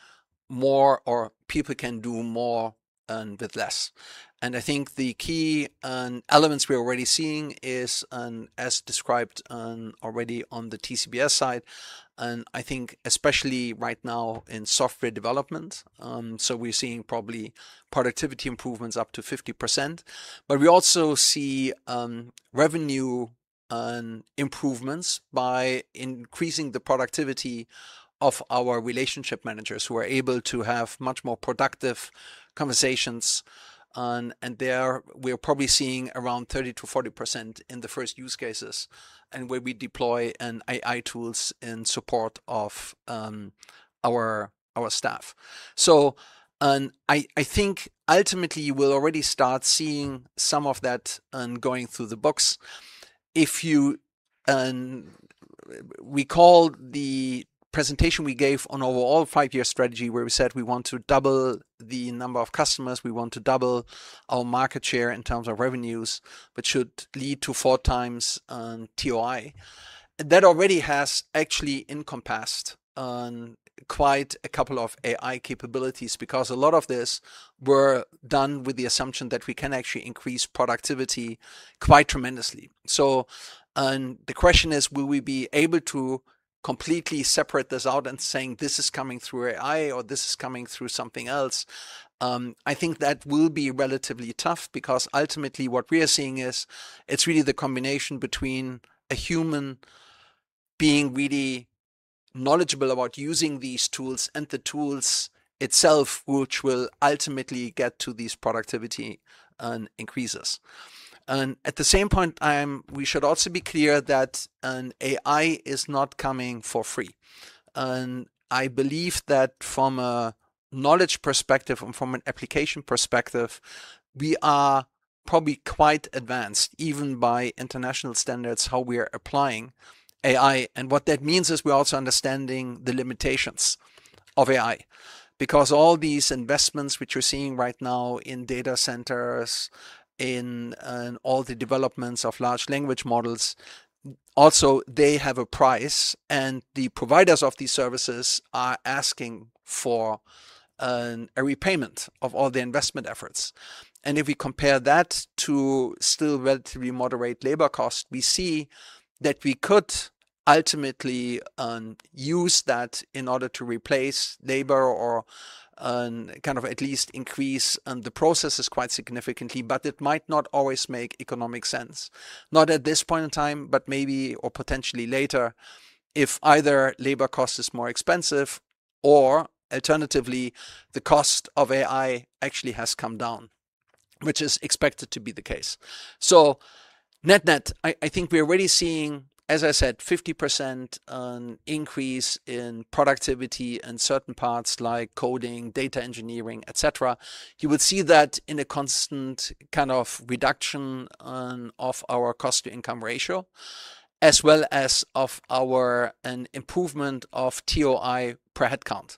people can do more with less. I think the key elements we're already seeing is, as described already on the TCBS side, I think especially right now in software development, so we're seeing probably productivity improvements up to 50%, but we also see revenue improvements by increasing the productivity of our relationship managers who are able to have much more productive conversations. There, we are probably seeing around 30%-40% in the first use cases and where we deploy AI tools in support of our staff. I think, ultimately, you will already start seeing some of that going through the books. If you recall the presentation we gave on our overall five-year strategy where we said we want to double the number of customers, we want to double our market share in terms of revenues, which should lead to 4x TOI. That already has actually encompassed quite a couple of AI capabilities because a lot of this were done with the assumption that we can actually increase productivity quite tremendously. The question is, will we be able to completely separate this out and saying this is coming through AI, or this is coming through something else? I think that will be relatively tough because ultimately what we are seeing is it's really the combination between a human being really knowledgeable about using these tools and the tools itself, which will ultimately get to these productivity increases. At the same point, we should also be clear that AI is not coming for free. I believe that from a knowledge perspective and from an application perspective, we are probably quite advanced, even by international standards, how we are applying AI. What that means is we're also understanding the limitations of AI, because all these investments which we're seeing right now in data centers, in all the developments of large language models, also they have a price, and the providers of these services are asking for a repayment of all the investment efforts. If we compare that to still relatively moderate labor cost, we see that we could ultimately use that in order to replace labor or at least increase the processes quite significantly. But it might not always make economic sense, not at this point in time, but maybe, or potentially later, if either labor cost is more expensive or alternatively, the cost of AI actually has come down, which is expected to be the case. So, net-net, I think we're already seeing, as I said, 50% increase in productivity in certain parts like coding, data engineering, et cetera. You would see that in a constant kind of reduction of our cost-to-income ratio, as well as of our improvement of TOI per headcount,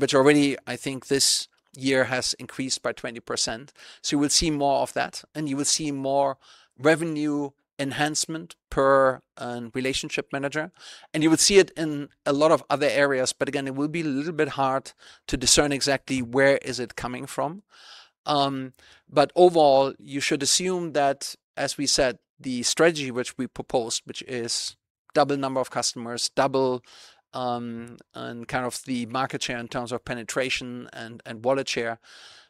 which already I think this year has increased by 20%. You will see more of that, and you will see more revenue enhancement per relationship manager, and you would see it in a lot of other areas. Again, it will be a little bit hard to discern exactly where is it coming from. But overall, you should assume that, as we said, the strategy which we proposed, which is double number of customers, double the market share in terms of penetration and wallet share,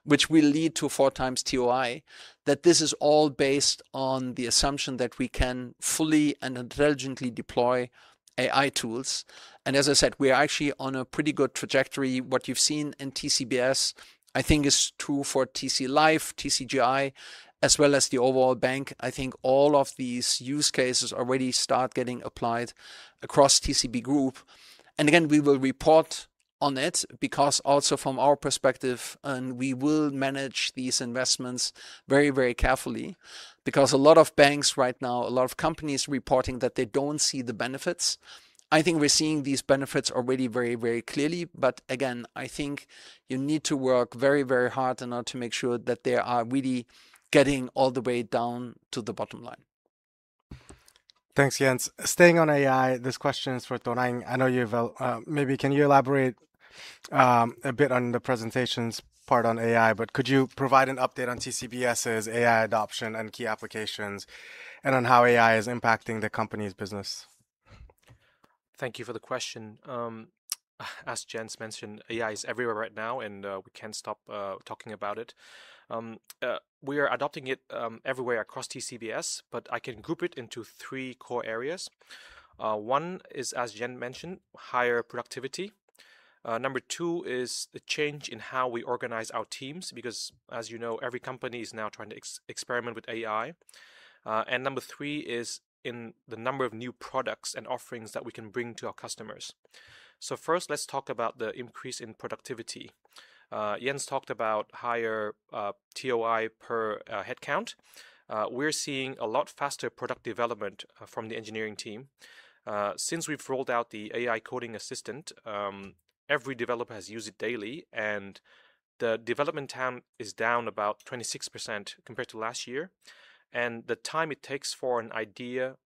which will lead to 4x TOI, that this is all based on the assumption that we can fully and intelligently deploy AI tools. As I said, we are actually on a pretty good trajectory. What you've seen in TCBS, I think is true for TCLife, TCGI, as well as the overall bank. I think all of these use cases already start getting applied across TCB Group. Again, we will report on it because also from our perspective, we will manage these investments very, very carefully. Because a lot of banks right now, a lot of companies reporting that they don't see the benefits. I think we're seeing these benefits already very, very clearly. But, again, I think you need to work very, very hard in order to make sure that they are really getting all the way down to the bottom line. Thanks, Jens. Staying on AI, this question is for Tuan Anh. Can you elaborate a bit on the presentations part on AI, could you provide an update on TCBS' AI adoption and key applications, and on how AI is impacting the company's business? Thank you for the question. As Jens mentioned, AI is everywhere right now. We can't stop talking about it. We are adopting it everywhere across TCBS, but I can group it into three core areas. One is, as Jens mentioned, higher productivity. Number two is the change in how we organize our teams, because as you know, every company is now trying to experiment with AI. Number three is in the number of new products and offerings that we can bring to our customers. First, let's talk about the increase in productivity. Jens talked about higher TOI per headcount. We're seeing a lot faster product development from the engineering team. Since we've rolled out the AI coding assistant, every developer has used it daily, and the development time is down about 26% compared to last year. The time it takes for an idea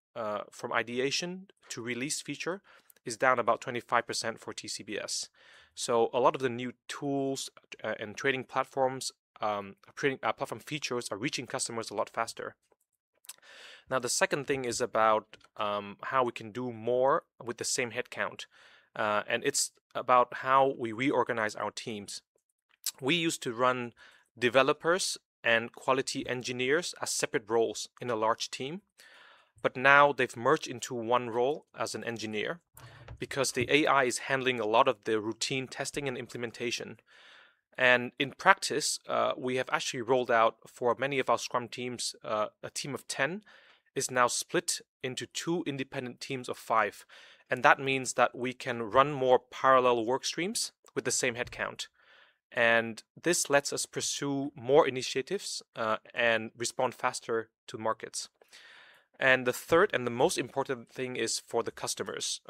from ideation to release feature is down about 25% for TCBS. A lot of the new tools and trading platforms, platform features, are reaching customers a lot faster. Now, the second thing is about how we can do more with the same headcount, and it's about how we reorganize our teams. We used to run developers and quality engineers as separate roles in a large team, but now, they've merged into one role as an engineer because the AI is handling a lot of the routine testing and implementation. In practice, we have actually rolled out for many of our scrum teams, a team of 10 is now split into two independent teams of five, and that means that we can run more parallel work streams with the same headcount. This lets us pursue more initiatives and respond faster to markets. The third, and the most important thing is for the customers.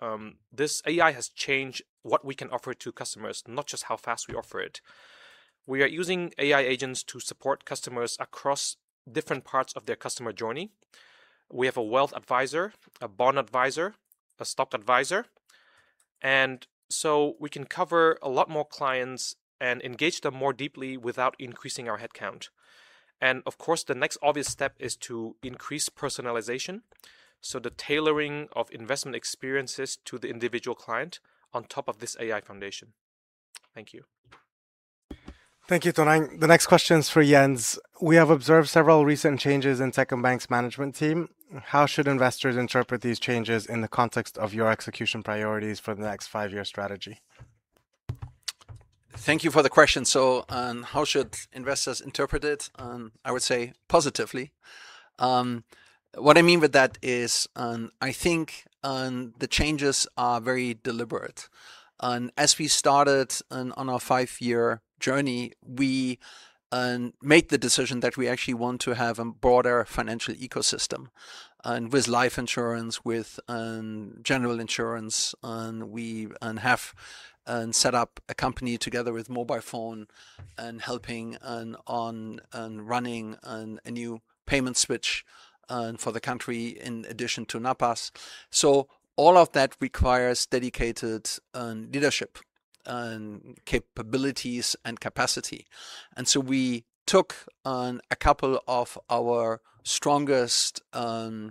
This AI has changed what we can offer to customers, not just how fast we offer it. We are using AI agents to support customers across different parts of their customer journey. We have a wealth advisor, a bond advisor, a stock advisor, and so we can cover a lot more clients and engage them more deeply without increasing our headcount. Of course, the next obvious step is to increase personalization, so the tailoring of investment experiences to the individual client on top of this AI foundation. Thank you. Thank you, Tuan Anh. The next question is for Jens. We have observed several recent changes in Techcombank's management team. How should investors interpret these changes in the context of your execution priorities for the next five-year strategy? Thank you for the question. How should investors interpret it? I would say positively. What I mean by that is, I think the changes are very deliberate. As we started on our five-year journey, we made the decision that we actually want to have a broader financial ecosystem with life insurance, with general insurance, and have set up a company together with MobiFone and helping on running a new payment switch for the country in addition to NAPAS. So, all of that requires dedicated leadership and capabilities and capacity. So, we took on a couple of our strongest board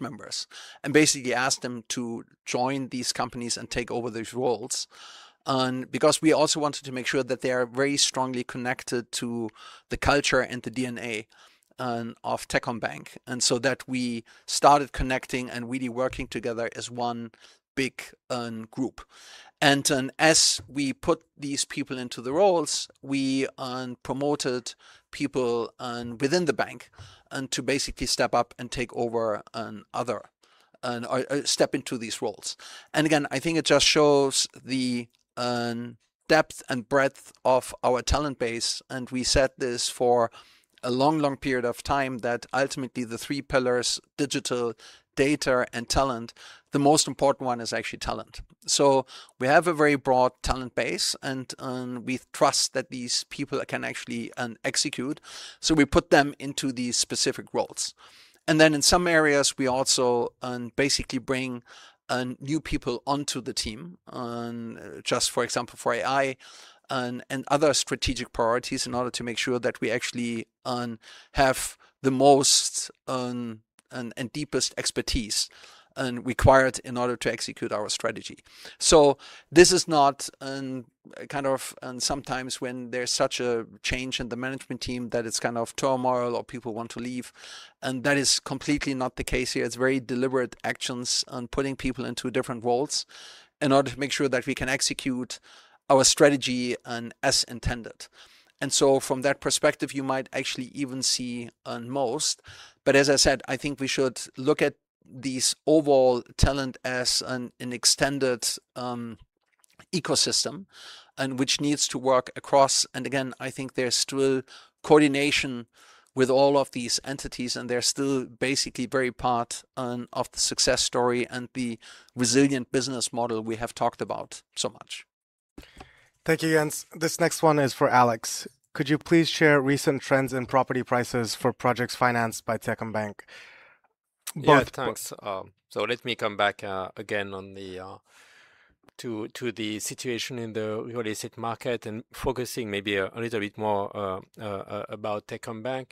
members and basically asked them to join these companies and take over these roles because we also wanted to make sure that they are very strongly connected to the culture and the DNA of Techcombank. And so that we started connecting and really working together as one big group. As we put these people into the roles, we promoted people within the bank to basically step up and take over or step into these roles. Again, I think it just shows the depth and breadth of our talent base, and we set this for a long, long period of time, that ultimately the three pillars, digital data and talent, the most important one is actually talent. We have a very broad talent base, and we trust that these people can actually execute, so we put them into these specific roles. In some areas, we also basically bring new people onto the team just for example, for AI and other strategic priorities in order to make sure that we actually have the most and deepest expertise required in order to execute our strategy. This is not, kind of, sometimes when there's such a change in the management team that it's kind of turmoil or people want to leave. That is completely not the case here. It's very deliberate actions on putting people into different roles in order to make sure that we can execute our strategy as intended. From that perspective, you might actually even see on most. But as I said, I think we should look at this overall talent as an extended ecosystem which needs to work across. Again, I think there's still coordination with all of these entities, and they're still basically very part of the success story and the resilient business model we have talked about so much. Thank you, Jens. This next one is for Alex. Could you please share recent trends in property prices for projects financed by Techcombank? Yeah, thanks. Let me come back again on the situation in the real estate market and focusing maybe a little bit more about Techcombank.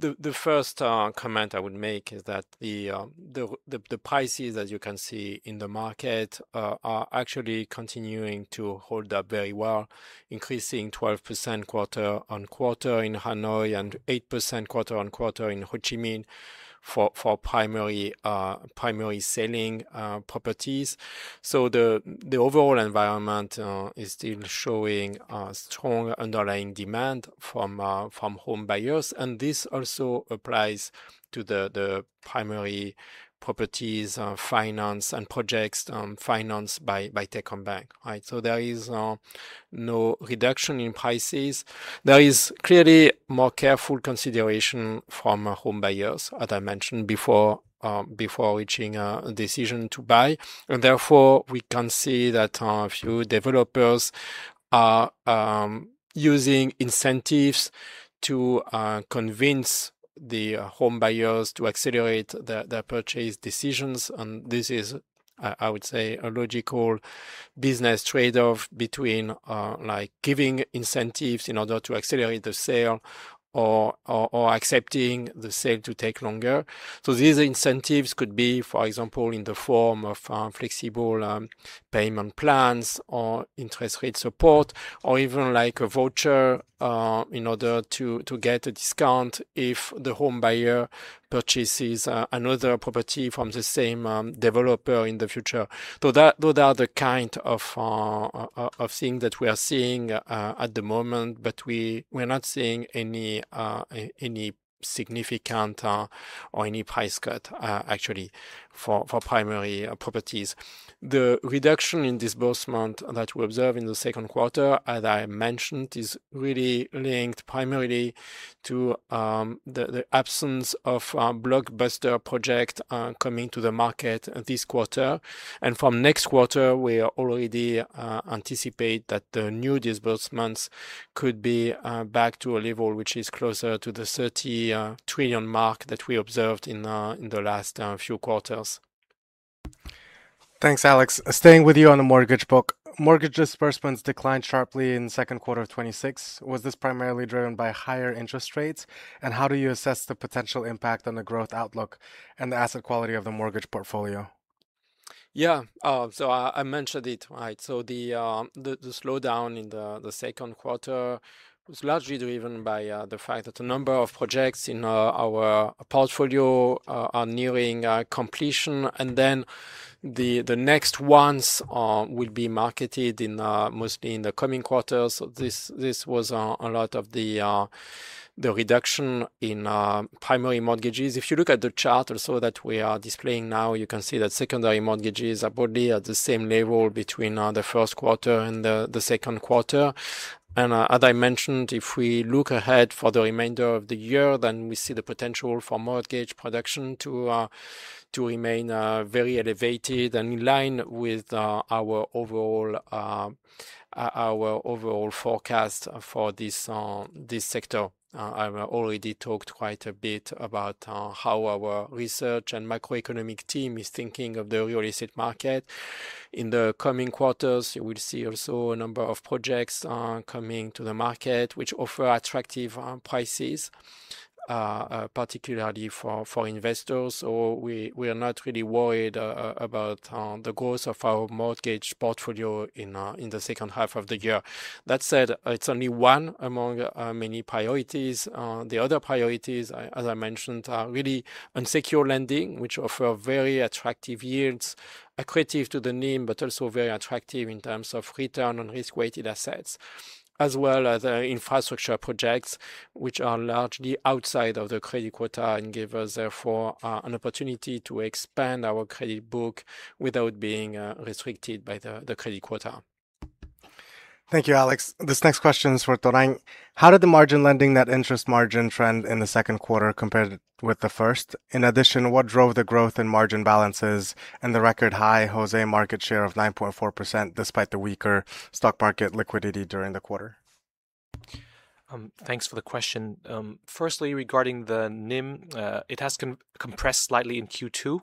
The first comment I would make is that the prices, as you can see in the market, are actually continuing to hold up very well, increasing 12% quarter-on-quarter in Hanoi and 8% quarter-on-quarter in Ho Chi Minh for primary selling properties. The overall environment is still showing strong underlying demand from home buyers, and this also applies to the primary properties finance and projects financed by Techcombank. There is no reduction in prices. There is clearly more careful consideration from home buyers, as I mentioned before, before reaching a decision to buy. Therefore, we can see that a few developers are using incentives to convince the home buyers to accelerate their purchase decisions. This is, I would say, a logical business trade-off between like giving incentives in order to accelerate the sale or accepting the sale to take longer. These incentives could be, for example, in the form of flexible payment plans or interest rate support, or even like a voucher in order to get a discount if the home buyer purchases another property from the same developer in the future. Those are the kind of things that we are seeing at the moment, but we are not seeing any significant or any price cut actually for primary properties. The reduction in disbursement that we observe in the second quarter, as I mentioned, is really linked primarily to the absence of blockbuster project coming to the market this quarter. From next quarter, we already anticipate that the new disbursements could be back to a level which is closer to the 30 trillion mark that we observed in the last few quarters. Thanks, Alex. Staying with you on the mortgage book. Mortgage disbursements declined sharply in the second quarter of 2026. Was this primarily driven by higher interest rates? How do you assess the potential impact on the growth outlook and the asset quality of the mortgage portfolio? Yeah. I mentioned it. The slowdown in the second quarter was largely driven by the fact that a number of projects in our portfolio are nearing completion, and then the next ones will be marketed mostly in the coming quarters. This was a lot of the reduction in primary mortgages. If you look at the chart also that we are displaying now, you can see that secondary mortgages are broadly at the same level between the first quarter and the second quarter. As I mentioned, if we look ahead for the remainder of the year, we see the potential for mortgage production to remain very elevated and in line with our overall forecast for this sector. I've already talked quite a bit about how our research and macroeconomic team is thinking of the real estate market. In the coming quarters, you will see also a number of projects coming to the market which offer attractive prices, particularly for investors, so we are not really worried about the growth of our mortgage portfolio in the second half of the year. That said, it's only one among many priorities. The other priorities, as I mentioned, are really unsecured lending, which offer very attractive yields, accretive to the NIM, but also very attractive in terms of return on risk-weighted assets, as well as infrastructure projects which are largely outside of the credit quota and give us therefore an opportunity to expand our credit book without being restricted by the credit quota. Thank you, Alex. This next question is for Tuan Anh. How did the margin lending net interest margin trend in the second quarter compared with the first? In addition, what drove the growth in margin balances and the record high HOSE market share of 9.4%, despite the weaker stock market liquidity during the quarter? Thanks for the question. Firstly, regarding the NIM, it has compressed slightly in Q2.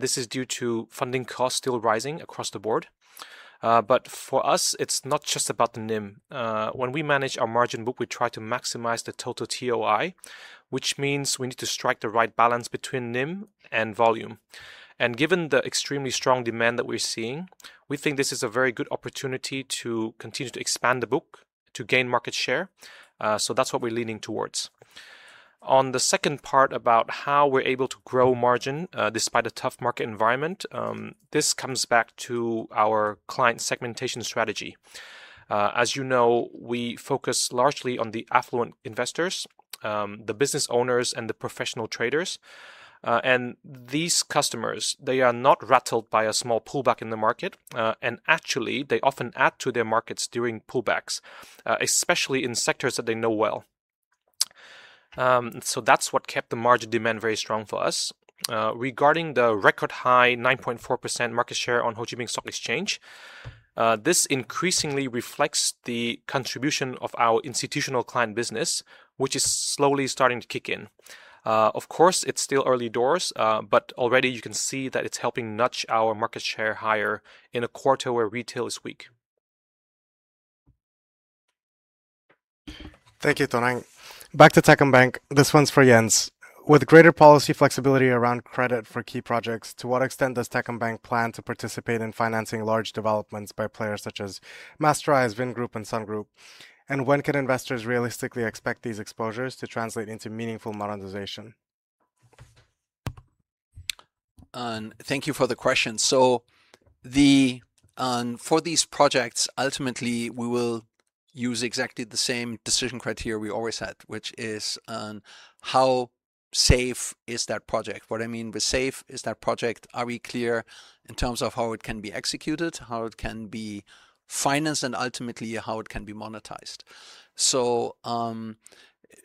This is due to funding costs still rising across the board. But for us, it's not just about the NIM. When we manage our margin book, we try to maximize the total TOI, which means we need to strike the right balance between NIM and volume. Given the extremely strong demand that we're seeing, we think this is a very good opportunity to continue to expand the book to gain market share. That's what we're leaning towards. On the second part about how we're able to grow margin despite a tough market environment, this comes back to our client segmentation strategy. As you know, we focus largely on the affluent investors, the business owners, and the professional traders. These customers, they are not rattled by a small pullback in the market. Actually, they often add to their markets during pullbacks, especially in sectors that they know well. That's what kept the margin demand very strong for us. Regarding the record high 9.4% market share on Ho Chi Minh Stock Exchange. This increasingly reflects the contribution of our institutional client business, which is slowly starting to kick in. Of course, it's still early doors, but already you can see that it's helping nudge our market share higher in a quarter where retail is weak. Thank you, Tuan Anh. Back to Techcombank. This one's for Jens. With greater policy flexibility around credit for key projects, to what extent does Techcombank plan to participate in financing large developments by players such as Masterise, Vingroup, and Sun Group? When can investors realistically expect these exposures to translate into meaningful monetization? Thank you for the question. For these projects, ultimately, we will use exactly the same decision criteria we always had, which is how safe is that project? What I mean with safe is that project, are we clear in terms of how it can be executed, how it can be financed, and ultimately how it can be monetized.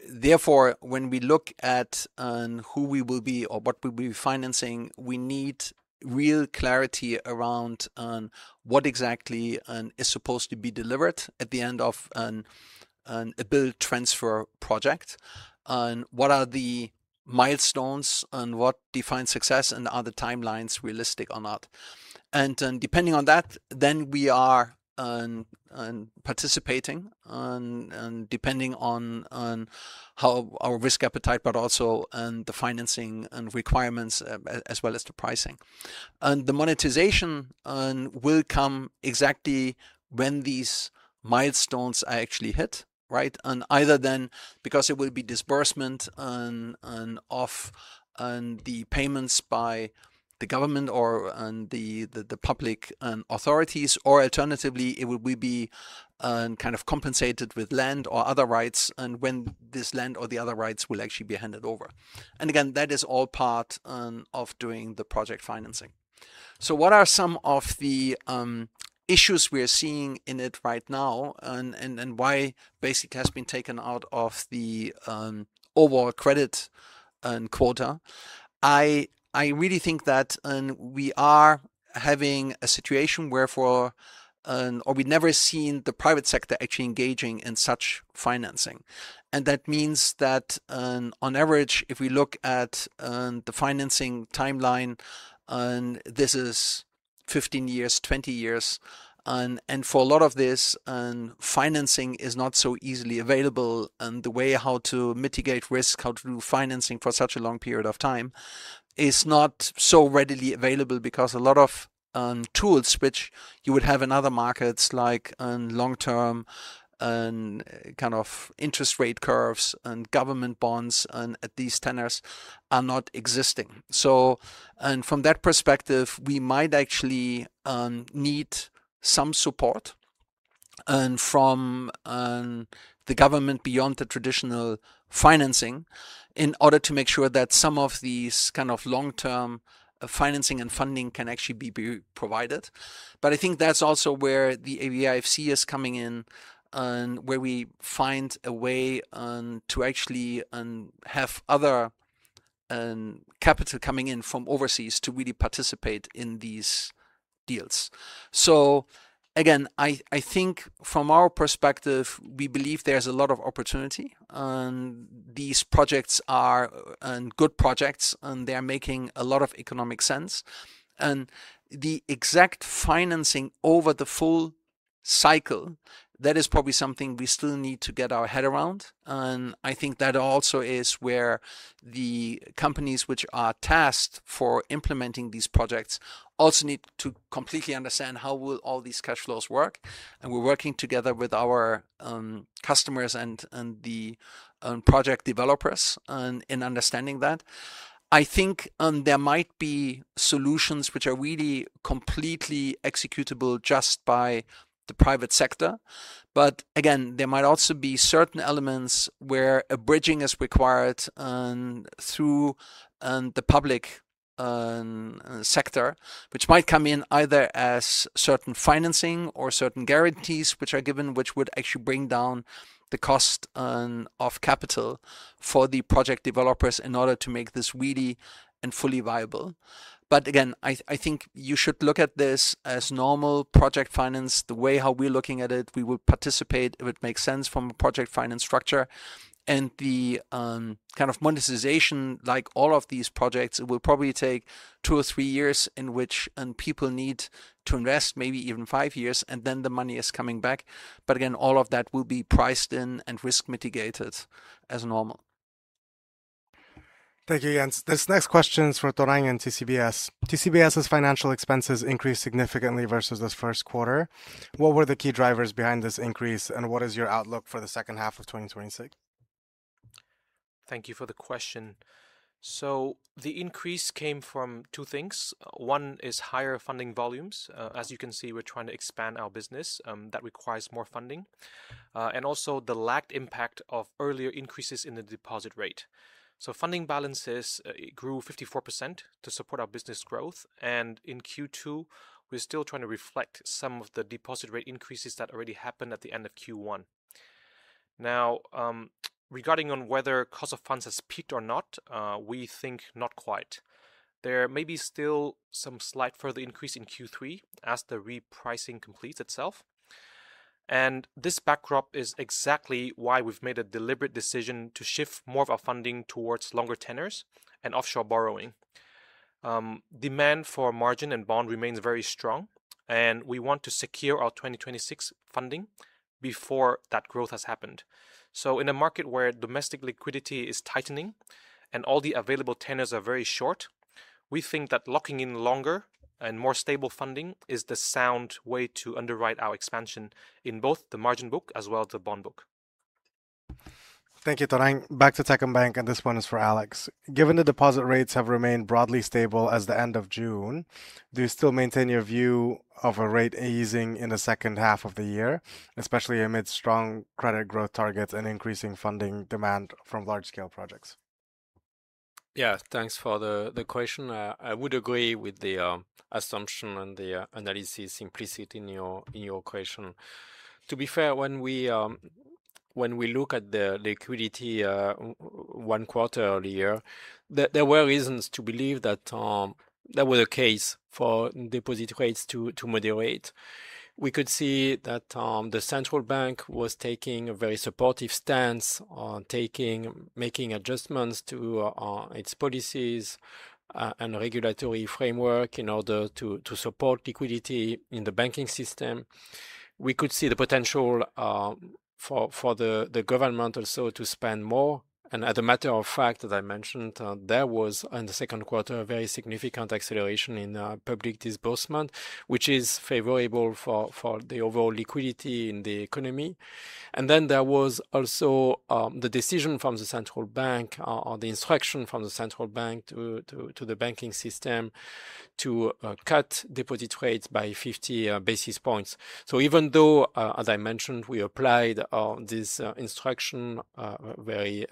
Therefore, when we look at who we will be or what we'll be financing, we need real clarity around what exactly is supposed to be delivered at the end of a build transfer project, and what are the milestones, and what defines success, and are the timelines realistic or not. Depending on that, then we are participating and depending on how our risk appetite, but also the financing and requirements, as well as the pricing. The monetization will come exactly when these milestones are actually hit, right? Either then because it will be disbursement and off, and the payments by the government or the public authorities, or alternatively, it will be kind of compensated with land or other rights and when this land or the other rights will actually be handed over. Again, that is all part of doing the project financing. What are some of the issues we're seeing in it right now and why basic has been taken out of the overall credit quota? I really think that we are having a situation where we'd never seen the private sector actually engaging in such financing. That means that on average, if we look at the financing timeline, this is 15 years, 20 years. For a lot of this, financing is not so easily available. The way how to mitigate risk, how to do financing for such a long period of time is not so readily available because a lot of tools which you would have in other markets, like long-term interest rate curves and government bonds at these tenors are not existing. From that perspective, we might actually need some support from the government beyond the traditional financing in order to make sure that some of these long-term financing and funding can actually be provided. But I think that's also where the VIFC is coming in and where we find a way to actually have other capital coming in from overseas to really participate in these deals. Again, I think from our perspective, we believe there's a lot of opportunity and these projects are good projects and they are making a lot of economic sense. The exact financing over the full cycle, that is probably something we still need to get our head around. I think that also is where the companies which are tasked for implementing these projects also need to completely understand how will all these cash flows work. We're working together with our customers and the project developers in understanding that. I think there might be solutions which are really completely executable just by the private sector. But again, there might also be certain elements where a bridging is required through the public sector, which might come in either as certain financing or certain guarantees which are given, which would actually bring down the cost of capital for the project developers in order to make this really and fully viable. Again, I think you should look at this as normal project finance. The way how we're looking at it, we would participate if it makes sense from a project finance structure. The kind of monetization, like all of these projects, it will probably take two or three years in which people need to invest, maybe even five years, and then the money is coming back. Again, all of that will be priced in and risk mitigated as normal. Thank you, Jens. This next question is for Tuan Anh and TCBS. TCBS's financial expenses increased significantly versus this first quarter. What were the key drivers behind this increase, and what is your outlook for the second half of 2026? Thank you for the question. The increase came from two things. One is higher funding volumes. As you can see, we're trying to expand our business. That requires more funding. Also, the lagged impact of earlier increases in the deposit rate. Funding balances grew 54% to support our business growth, and in Q2, we're still trying to reflect some of the deposit rate increases that already happened at the end of Q1. Now, regarding on whether cost of funds has peaked or not, we think not quite. There may be still some slight further increase in Q3 as the repricing completes itself, and this backdrop is exactly why we've made a deliberate decision to shift more of our funding towards longer tenors and offshore borrowing. Demand for margin and bond remains very strong, and we want to secure our 2026 funding before that growth has happened. In a market where domestic liquidity is tightening and all the available tenors are very short, we think that locking in longer and more stable funding is the sound way to underwrite our expansion in both the margin book as well as the bond book. Thank you, Tuan Anh. Back to Techcombank, and this one is for Alex. Given the deposit rates have remained broadly stable as the end of June, do you still maintain your view of a rate easing in the second half of the year, especially amid strong credit growth targets and increasing funding demand from large-scale projects? Yeah. Thanks for the question. I would agree with the assumption and the analysis implicit in your question. To be fair, when we look at the liquidity one quarter earlier, there were reasons to believe that there was a case for deposit rates to moderate. We could see that the central bank was taking a very supportive stance on making adjustments to its policies and regulatory framework in order to support liquidity in the banking system. We could see the potential for the government also to spend more, and as a matter of fact, as I mentioned, there was, in the second quarter, a very significant acceleration in public disbursement, which is favorable for the overall liquidity in the economy. There was also the decision from the central bank, or the instruction from the central bank to the banking system to cut deposit rates by 50 basis points. So, even though, as I mentioned, we applied this instruction very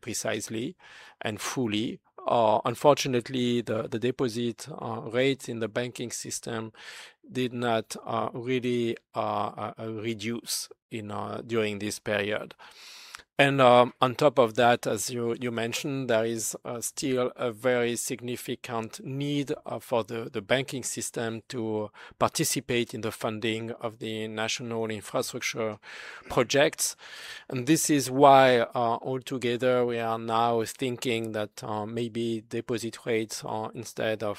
precisely and fully, unfortunately, the deposit rate in the banking system did not really reduce during this period. On top of that, as you mentioned, there is still a very significant need for the banking system to participate in the funding of the national infrastructure projects. This is why altogether, we are now thinking that maybe deposit rates, instead of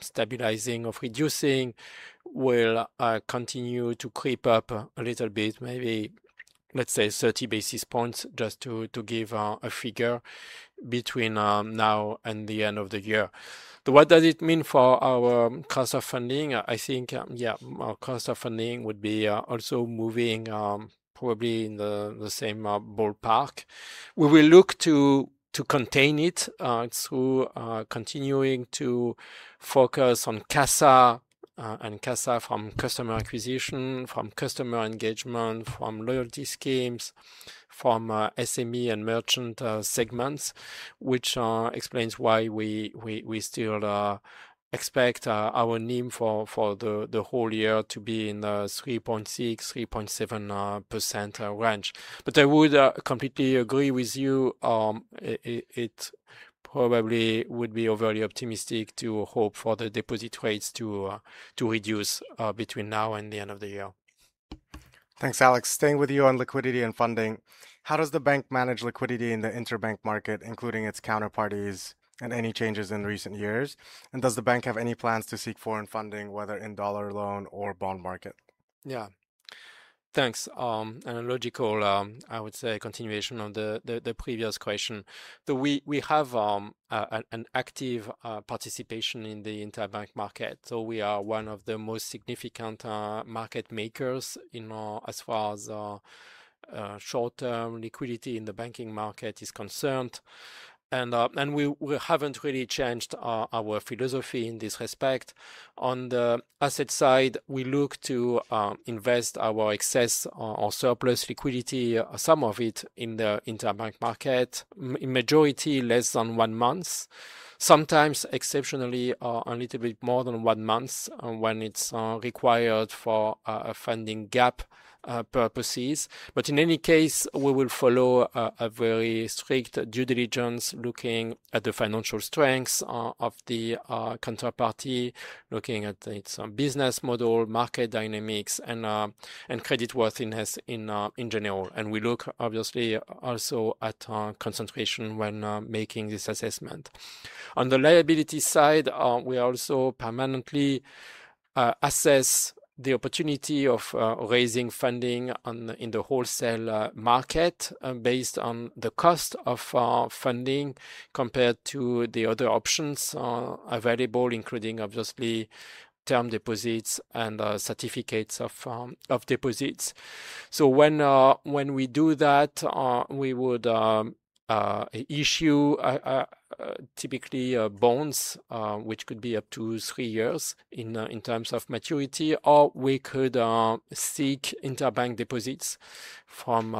stabilizing of reducing, will continue to creep up a little bit, maybe, let's say, 30 basis points just to give a figure between now and the end of the year. What does it mean for our cost of funding? I think, yeah, our cost of funding would be also moving probably in the same ballpark. We will look to contain it through continuing to focus on CASA, and CASA from customer acquisition, from customer engagement, from loyalty schemes, from SME and merchant segments, which explains why we still expect our NIM for the whole year to be in the 3.6%-3.7% range. But I would completely agree with you. It probably would be overly optimistic to hope for the deposit rates to reduce between now and the end of the year. Thanks, Alex. Staying with you on liquidity and funding, how does the bank manage liquidity in the interbank market, including its counterparties and any changes in recent years? Does the bank have any plans to seek foreign funding, whether in dollar loan or bond market? Yeah. Thanks. A logical, I would say, continuation of the previous question. We have an active participation in the interbank market, so we are one of the most significant market makers as far as short-term liquidity in the banking market is concerned. We haven't really changed our philosophy in this respect. On the asset side, we look to invest our excess or surplus liquidity, some of it in the interbank market, majority less than one month, sometimes exceptionally, a little bit more than one month when it's required for funding gap purposes, which in any case, we will follow a very strict due diligence, looking at the financial strengths of the counterparty, looking at its business model, market dynamics, and credit worthiness in general. We look, obviously, also at concentration when making this assessment. On the liability side, we also permanently assess the opportunity of raising funding in the wholesale market based on the cost of funding compared to the other options available, including, obviously, term deposits and certificates of deposits. When we do that, we would issue, typically, bonds which could be up to three years in terms of maturity, or we could seek interbank deposits from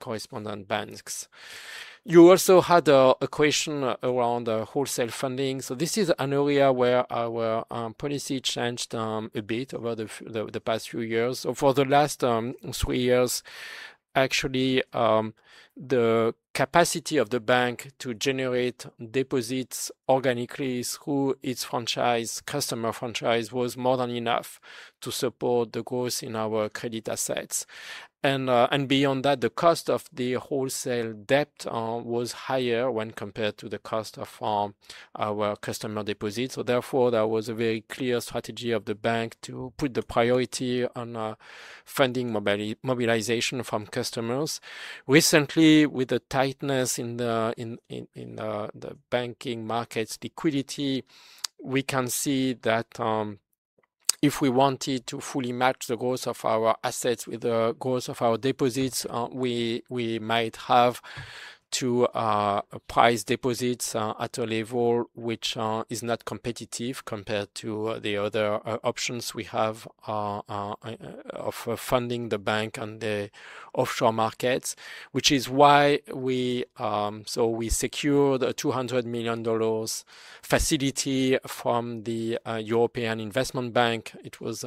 correspondent banks. You also had a question around wholesale funding. This is an area where our policy changed a bit over the past few years. For the last three years, actually, the capacity of the bank to generate deposits organically through its customer franchise was more than enough to support the growth in our credit assets. Beyond that, the cost of the wholesale debt was higher when compared to the cost of our customer deposits. Therefore, that was a very clear strategy of the bank to put the priority on funding mobilization from customers. Recently, with the tightness in the banking markets liquidity, we can see that if we wanted to fully match the growth of our assets with the growth of our deposits, we might have to price deposits at a level which is not competitive compared to the other options we have of funding the bank and the offshore markets, which is why we secured a $200 million facility from the European Investment Bank. It was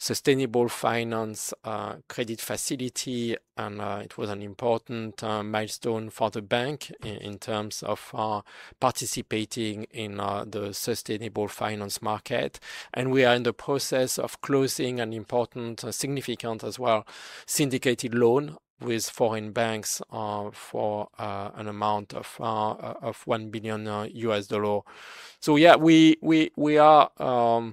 a sustainable finance credit facility, and it was an important milestone for the bank in terms of participating in the sustainable finance market. We are in the process of closing an important, significant as well, syndicated loan with foreign banks for an amount of $1 billion. We are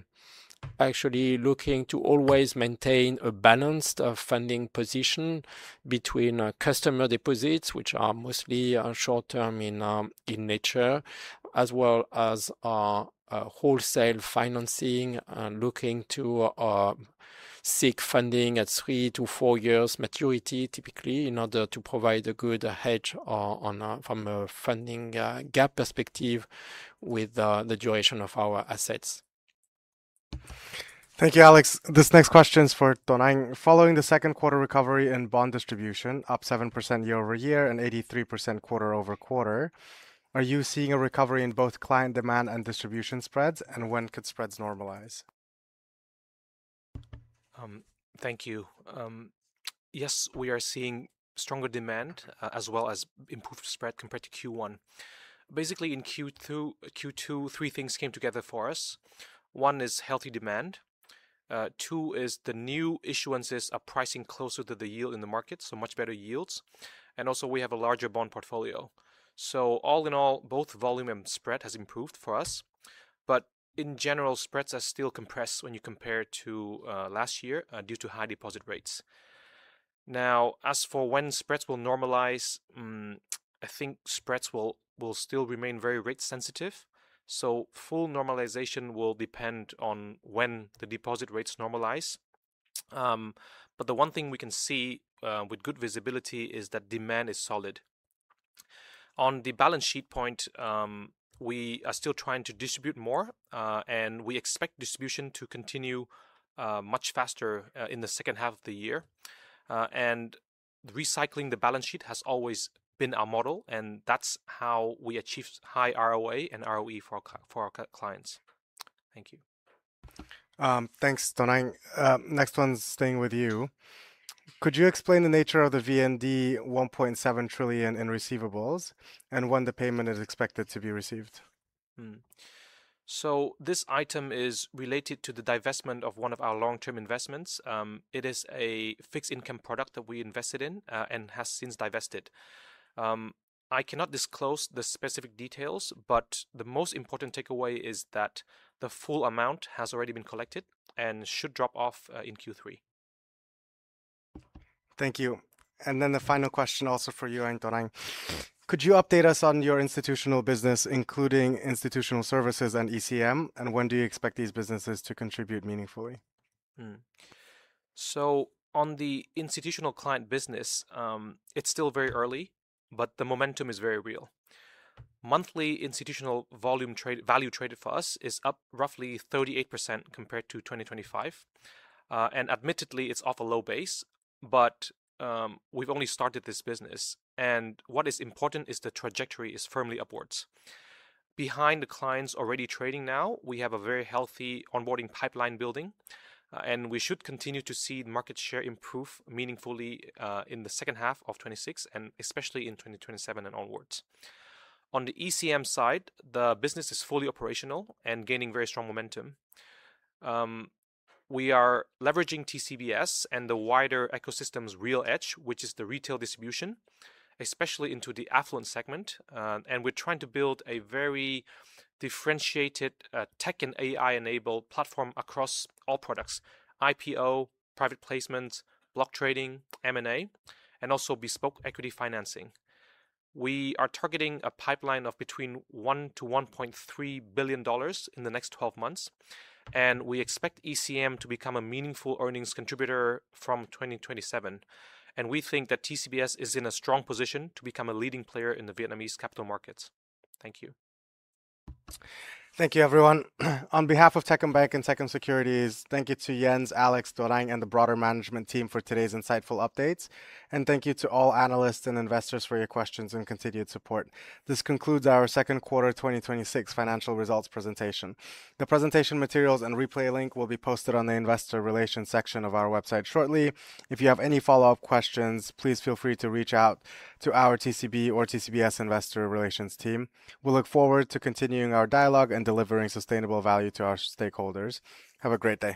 actually looking to always maintain a balanced funding position between customer deposits, which are mostly short term in nature, as well as wholesale financing and looking to seek funding at three to four years maturity, typically, in order to provide a good hedge from a funding gap perspective with the duration of our assets. Thank you, Alex. This next question is for Tuan Anh. Following the second quarter recovery in bond distribution, up 7% year-over-year and 83% quarter-over-quarter, are you seeing a recovery in both client demand and distribution spreads? When could spreads normalize? Thank you. Yes, we are seeing stronger demand as well as improved spread compared to Q1. Basically in Q2, three things came together for us. One is healthy demand, two is the new issuances are pricing closer to the yield in the market, so much better yields. And also, we have a larger bond portfolio. All in all, both volume and spread has improved for us. But in general, spreads are still compressed when you compare to last year due to high deposit rates. Now, as for when spreads will normalize, I think spreads will still remain very rate sensitive, so full normalization will depend on when the deposit rates normalize. But the one thing we can see with good visibility is that demand is solid. On the balance sheet point, we are still trying to distribute more, and we expect distribution to continue much faster in the second half of the year. Recycling the balance sheet has always been our model, and that's how we achieved high ROA and ROE for our clients. Thank you. Thanks, Tuan Anh. Next one's staying with you. Could you explain the nature of the VND 1.7 trillion in receivables and when the payment is expected to be received? This item is related to the divestment of one of our long-term investments. It is a fixed income product that we invested in and has since divested. I cannot disclose the specific details, but the most important takeaway is that the full amount has already been collected and should drop off in Q3. Thank you. The final question also for you, Tuan Anh. Could you update us on your institutional business, including institutional services and ECM? When do you expect these businesses to contribute meaningfully? On the institutional client business, it's still very early, but the momentum is very real. Monthly institutional value traded for us is up roughly 38% compared to 2025. Admittedly, it's off a low base, but we've only started this business, and what is important is the trajectory is firmly upwards. Behind the clients already trading now, we have a very healthy onboarding pipeline building, and we should continue to see market share improve meaningfully in the second half of 2026, and especially in 2027 and onwards. On the ECM side, the business is fully operational and gaining very strong momentum. We are leveraging TCBS and the wider ecosystem's real edge, which is the retail distribution, especially into the affluent segment. And we're trying to build a very differentiated tech and AI-enabled platform across all products: IPO, private placements, block trading, M&A, and also bespoke equity financing. We are targeting a pipeline of between $1 billion-$1.3 billion in the next 12 months, and we expect ECM to become a meaningful earnings contributor from 2027. We think that TCBS is in a strong position to become a leading player in the Vietnamese capital markets. Thank you. Thank you, everyone. On behalf of Techcombank and Techcom Securities, thank you to Jens, Alex, Tuan Anh, and the broader management team for today's insightful updates. Thank you to all analysts and investors for your questions and continued support. This concludes our second quarter 2026 financial results presentation. The presentation materials and replay link will be posted on the investor relations section of our website shortly. If you have any follow-up questions, please feel free to reach out to our TCB or TCBS investor relations team. We look forward to continuing our dialogue and delivering sustainable value to our stakeholders. Have a great day.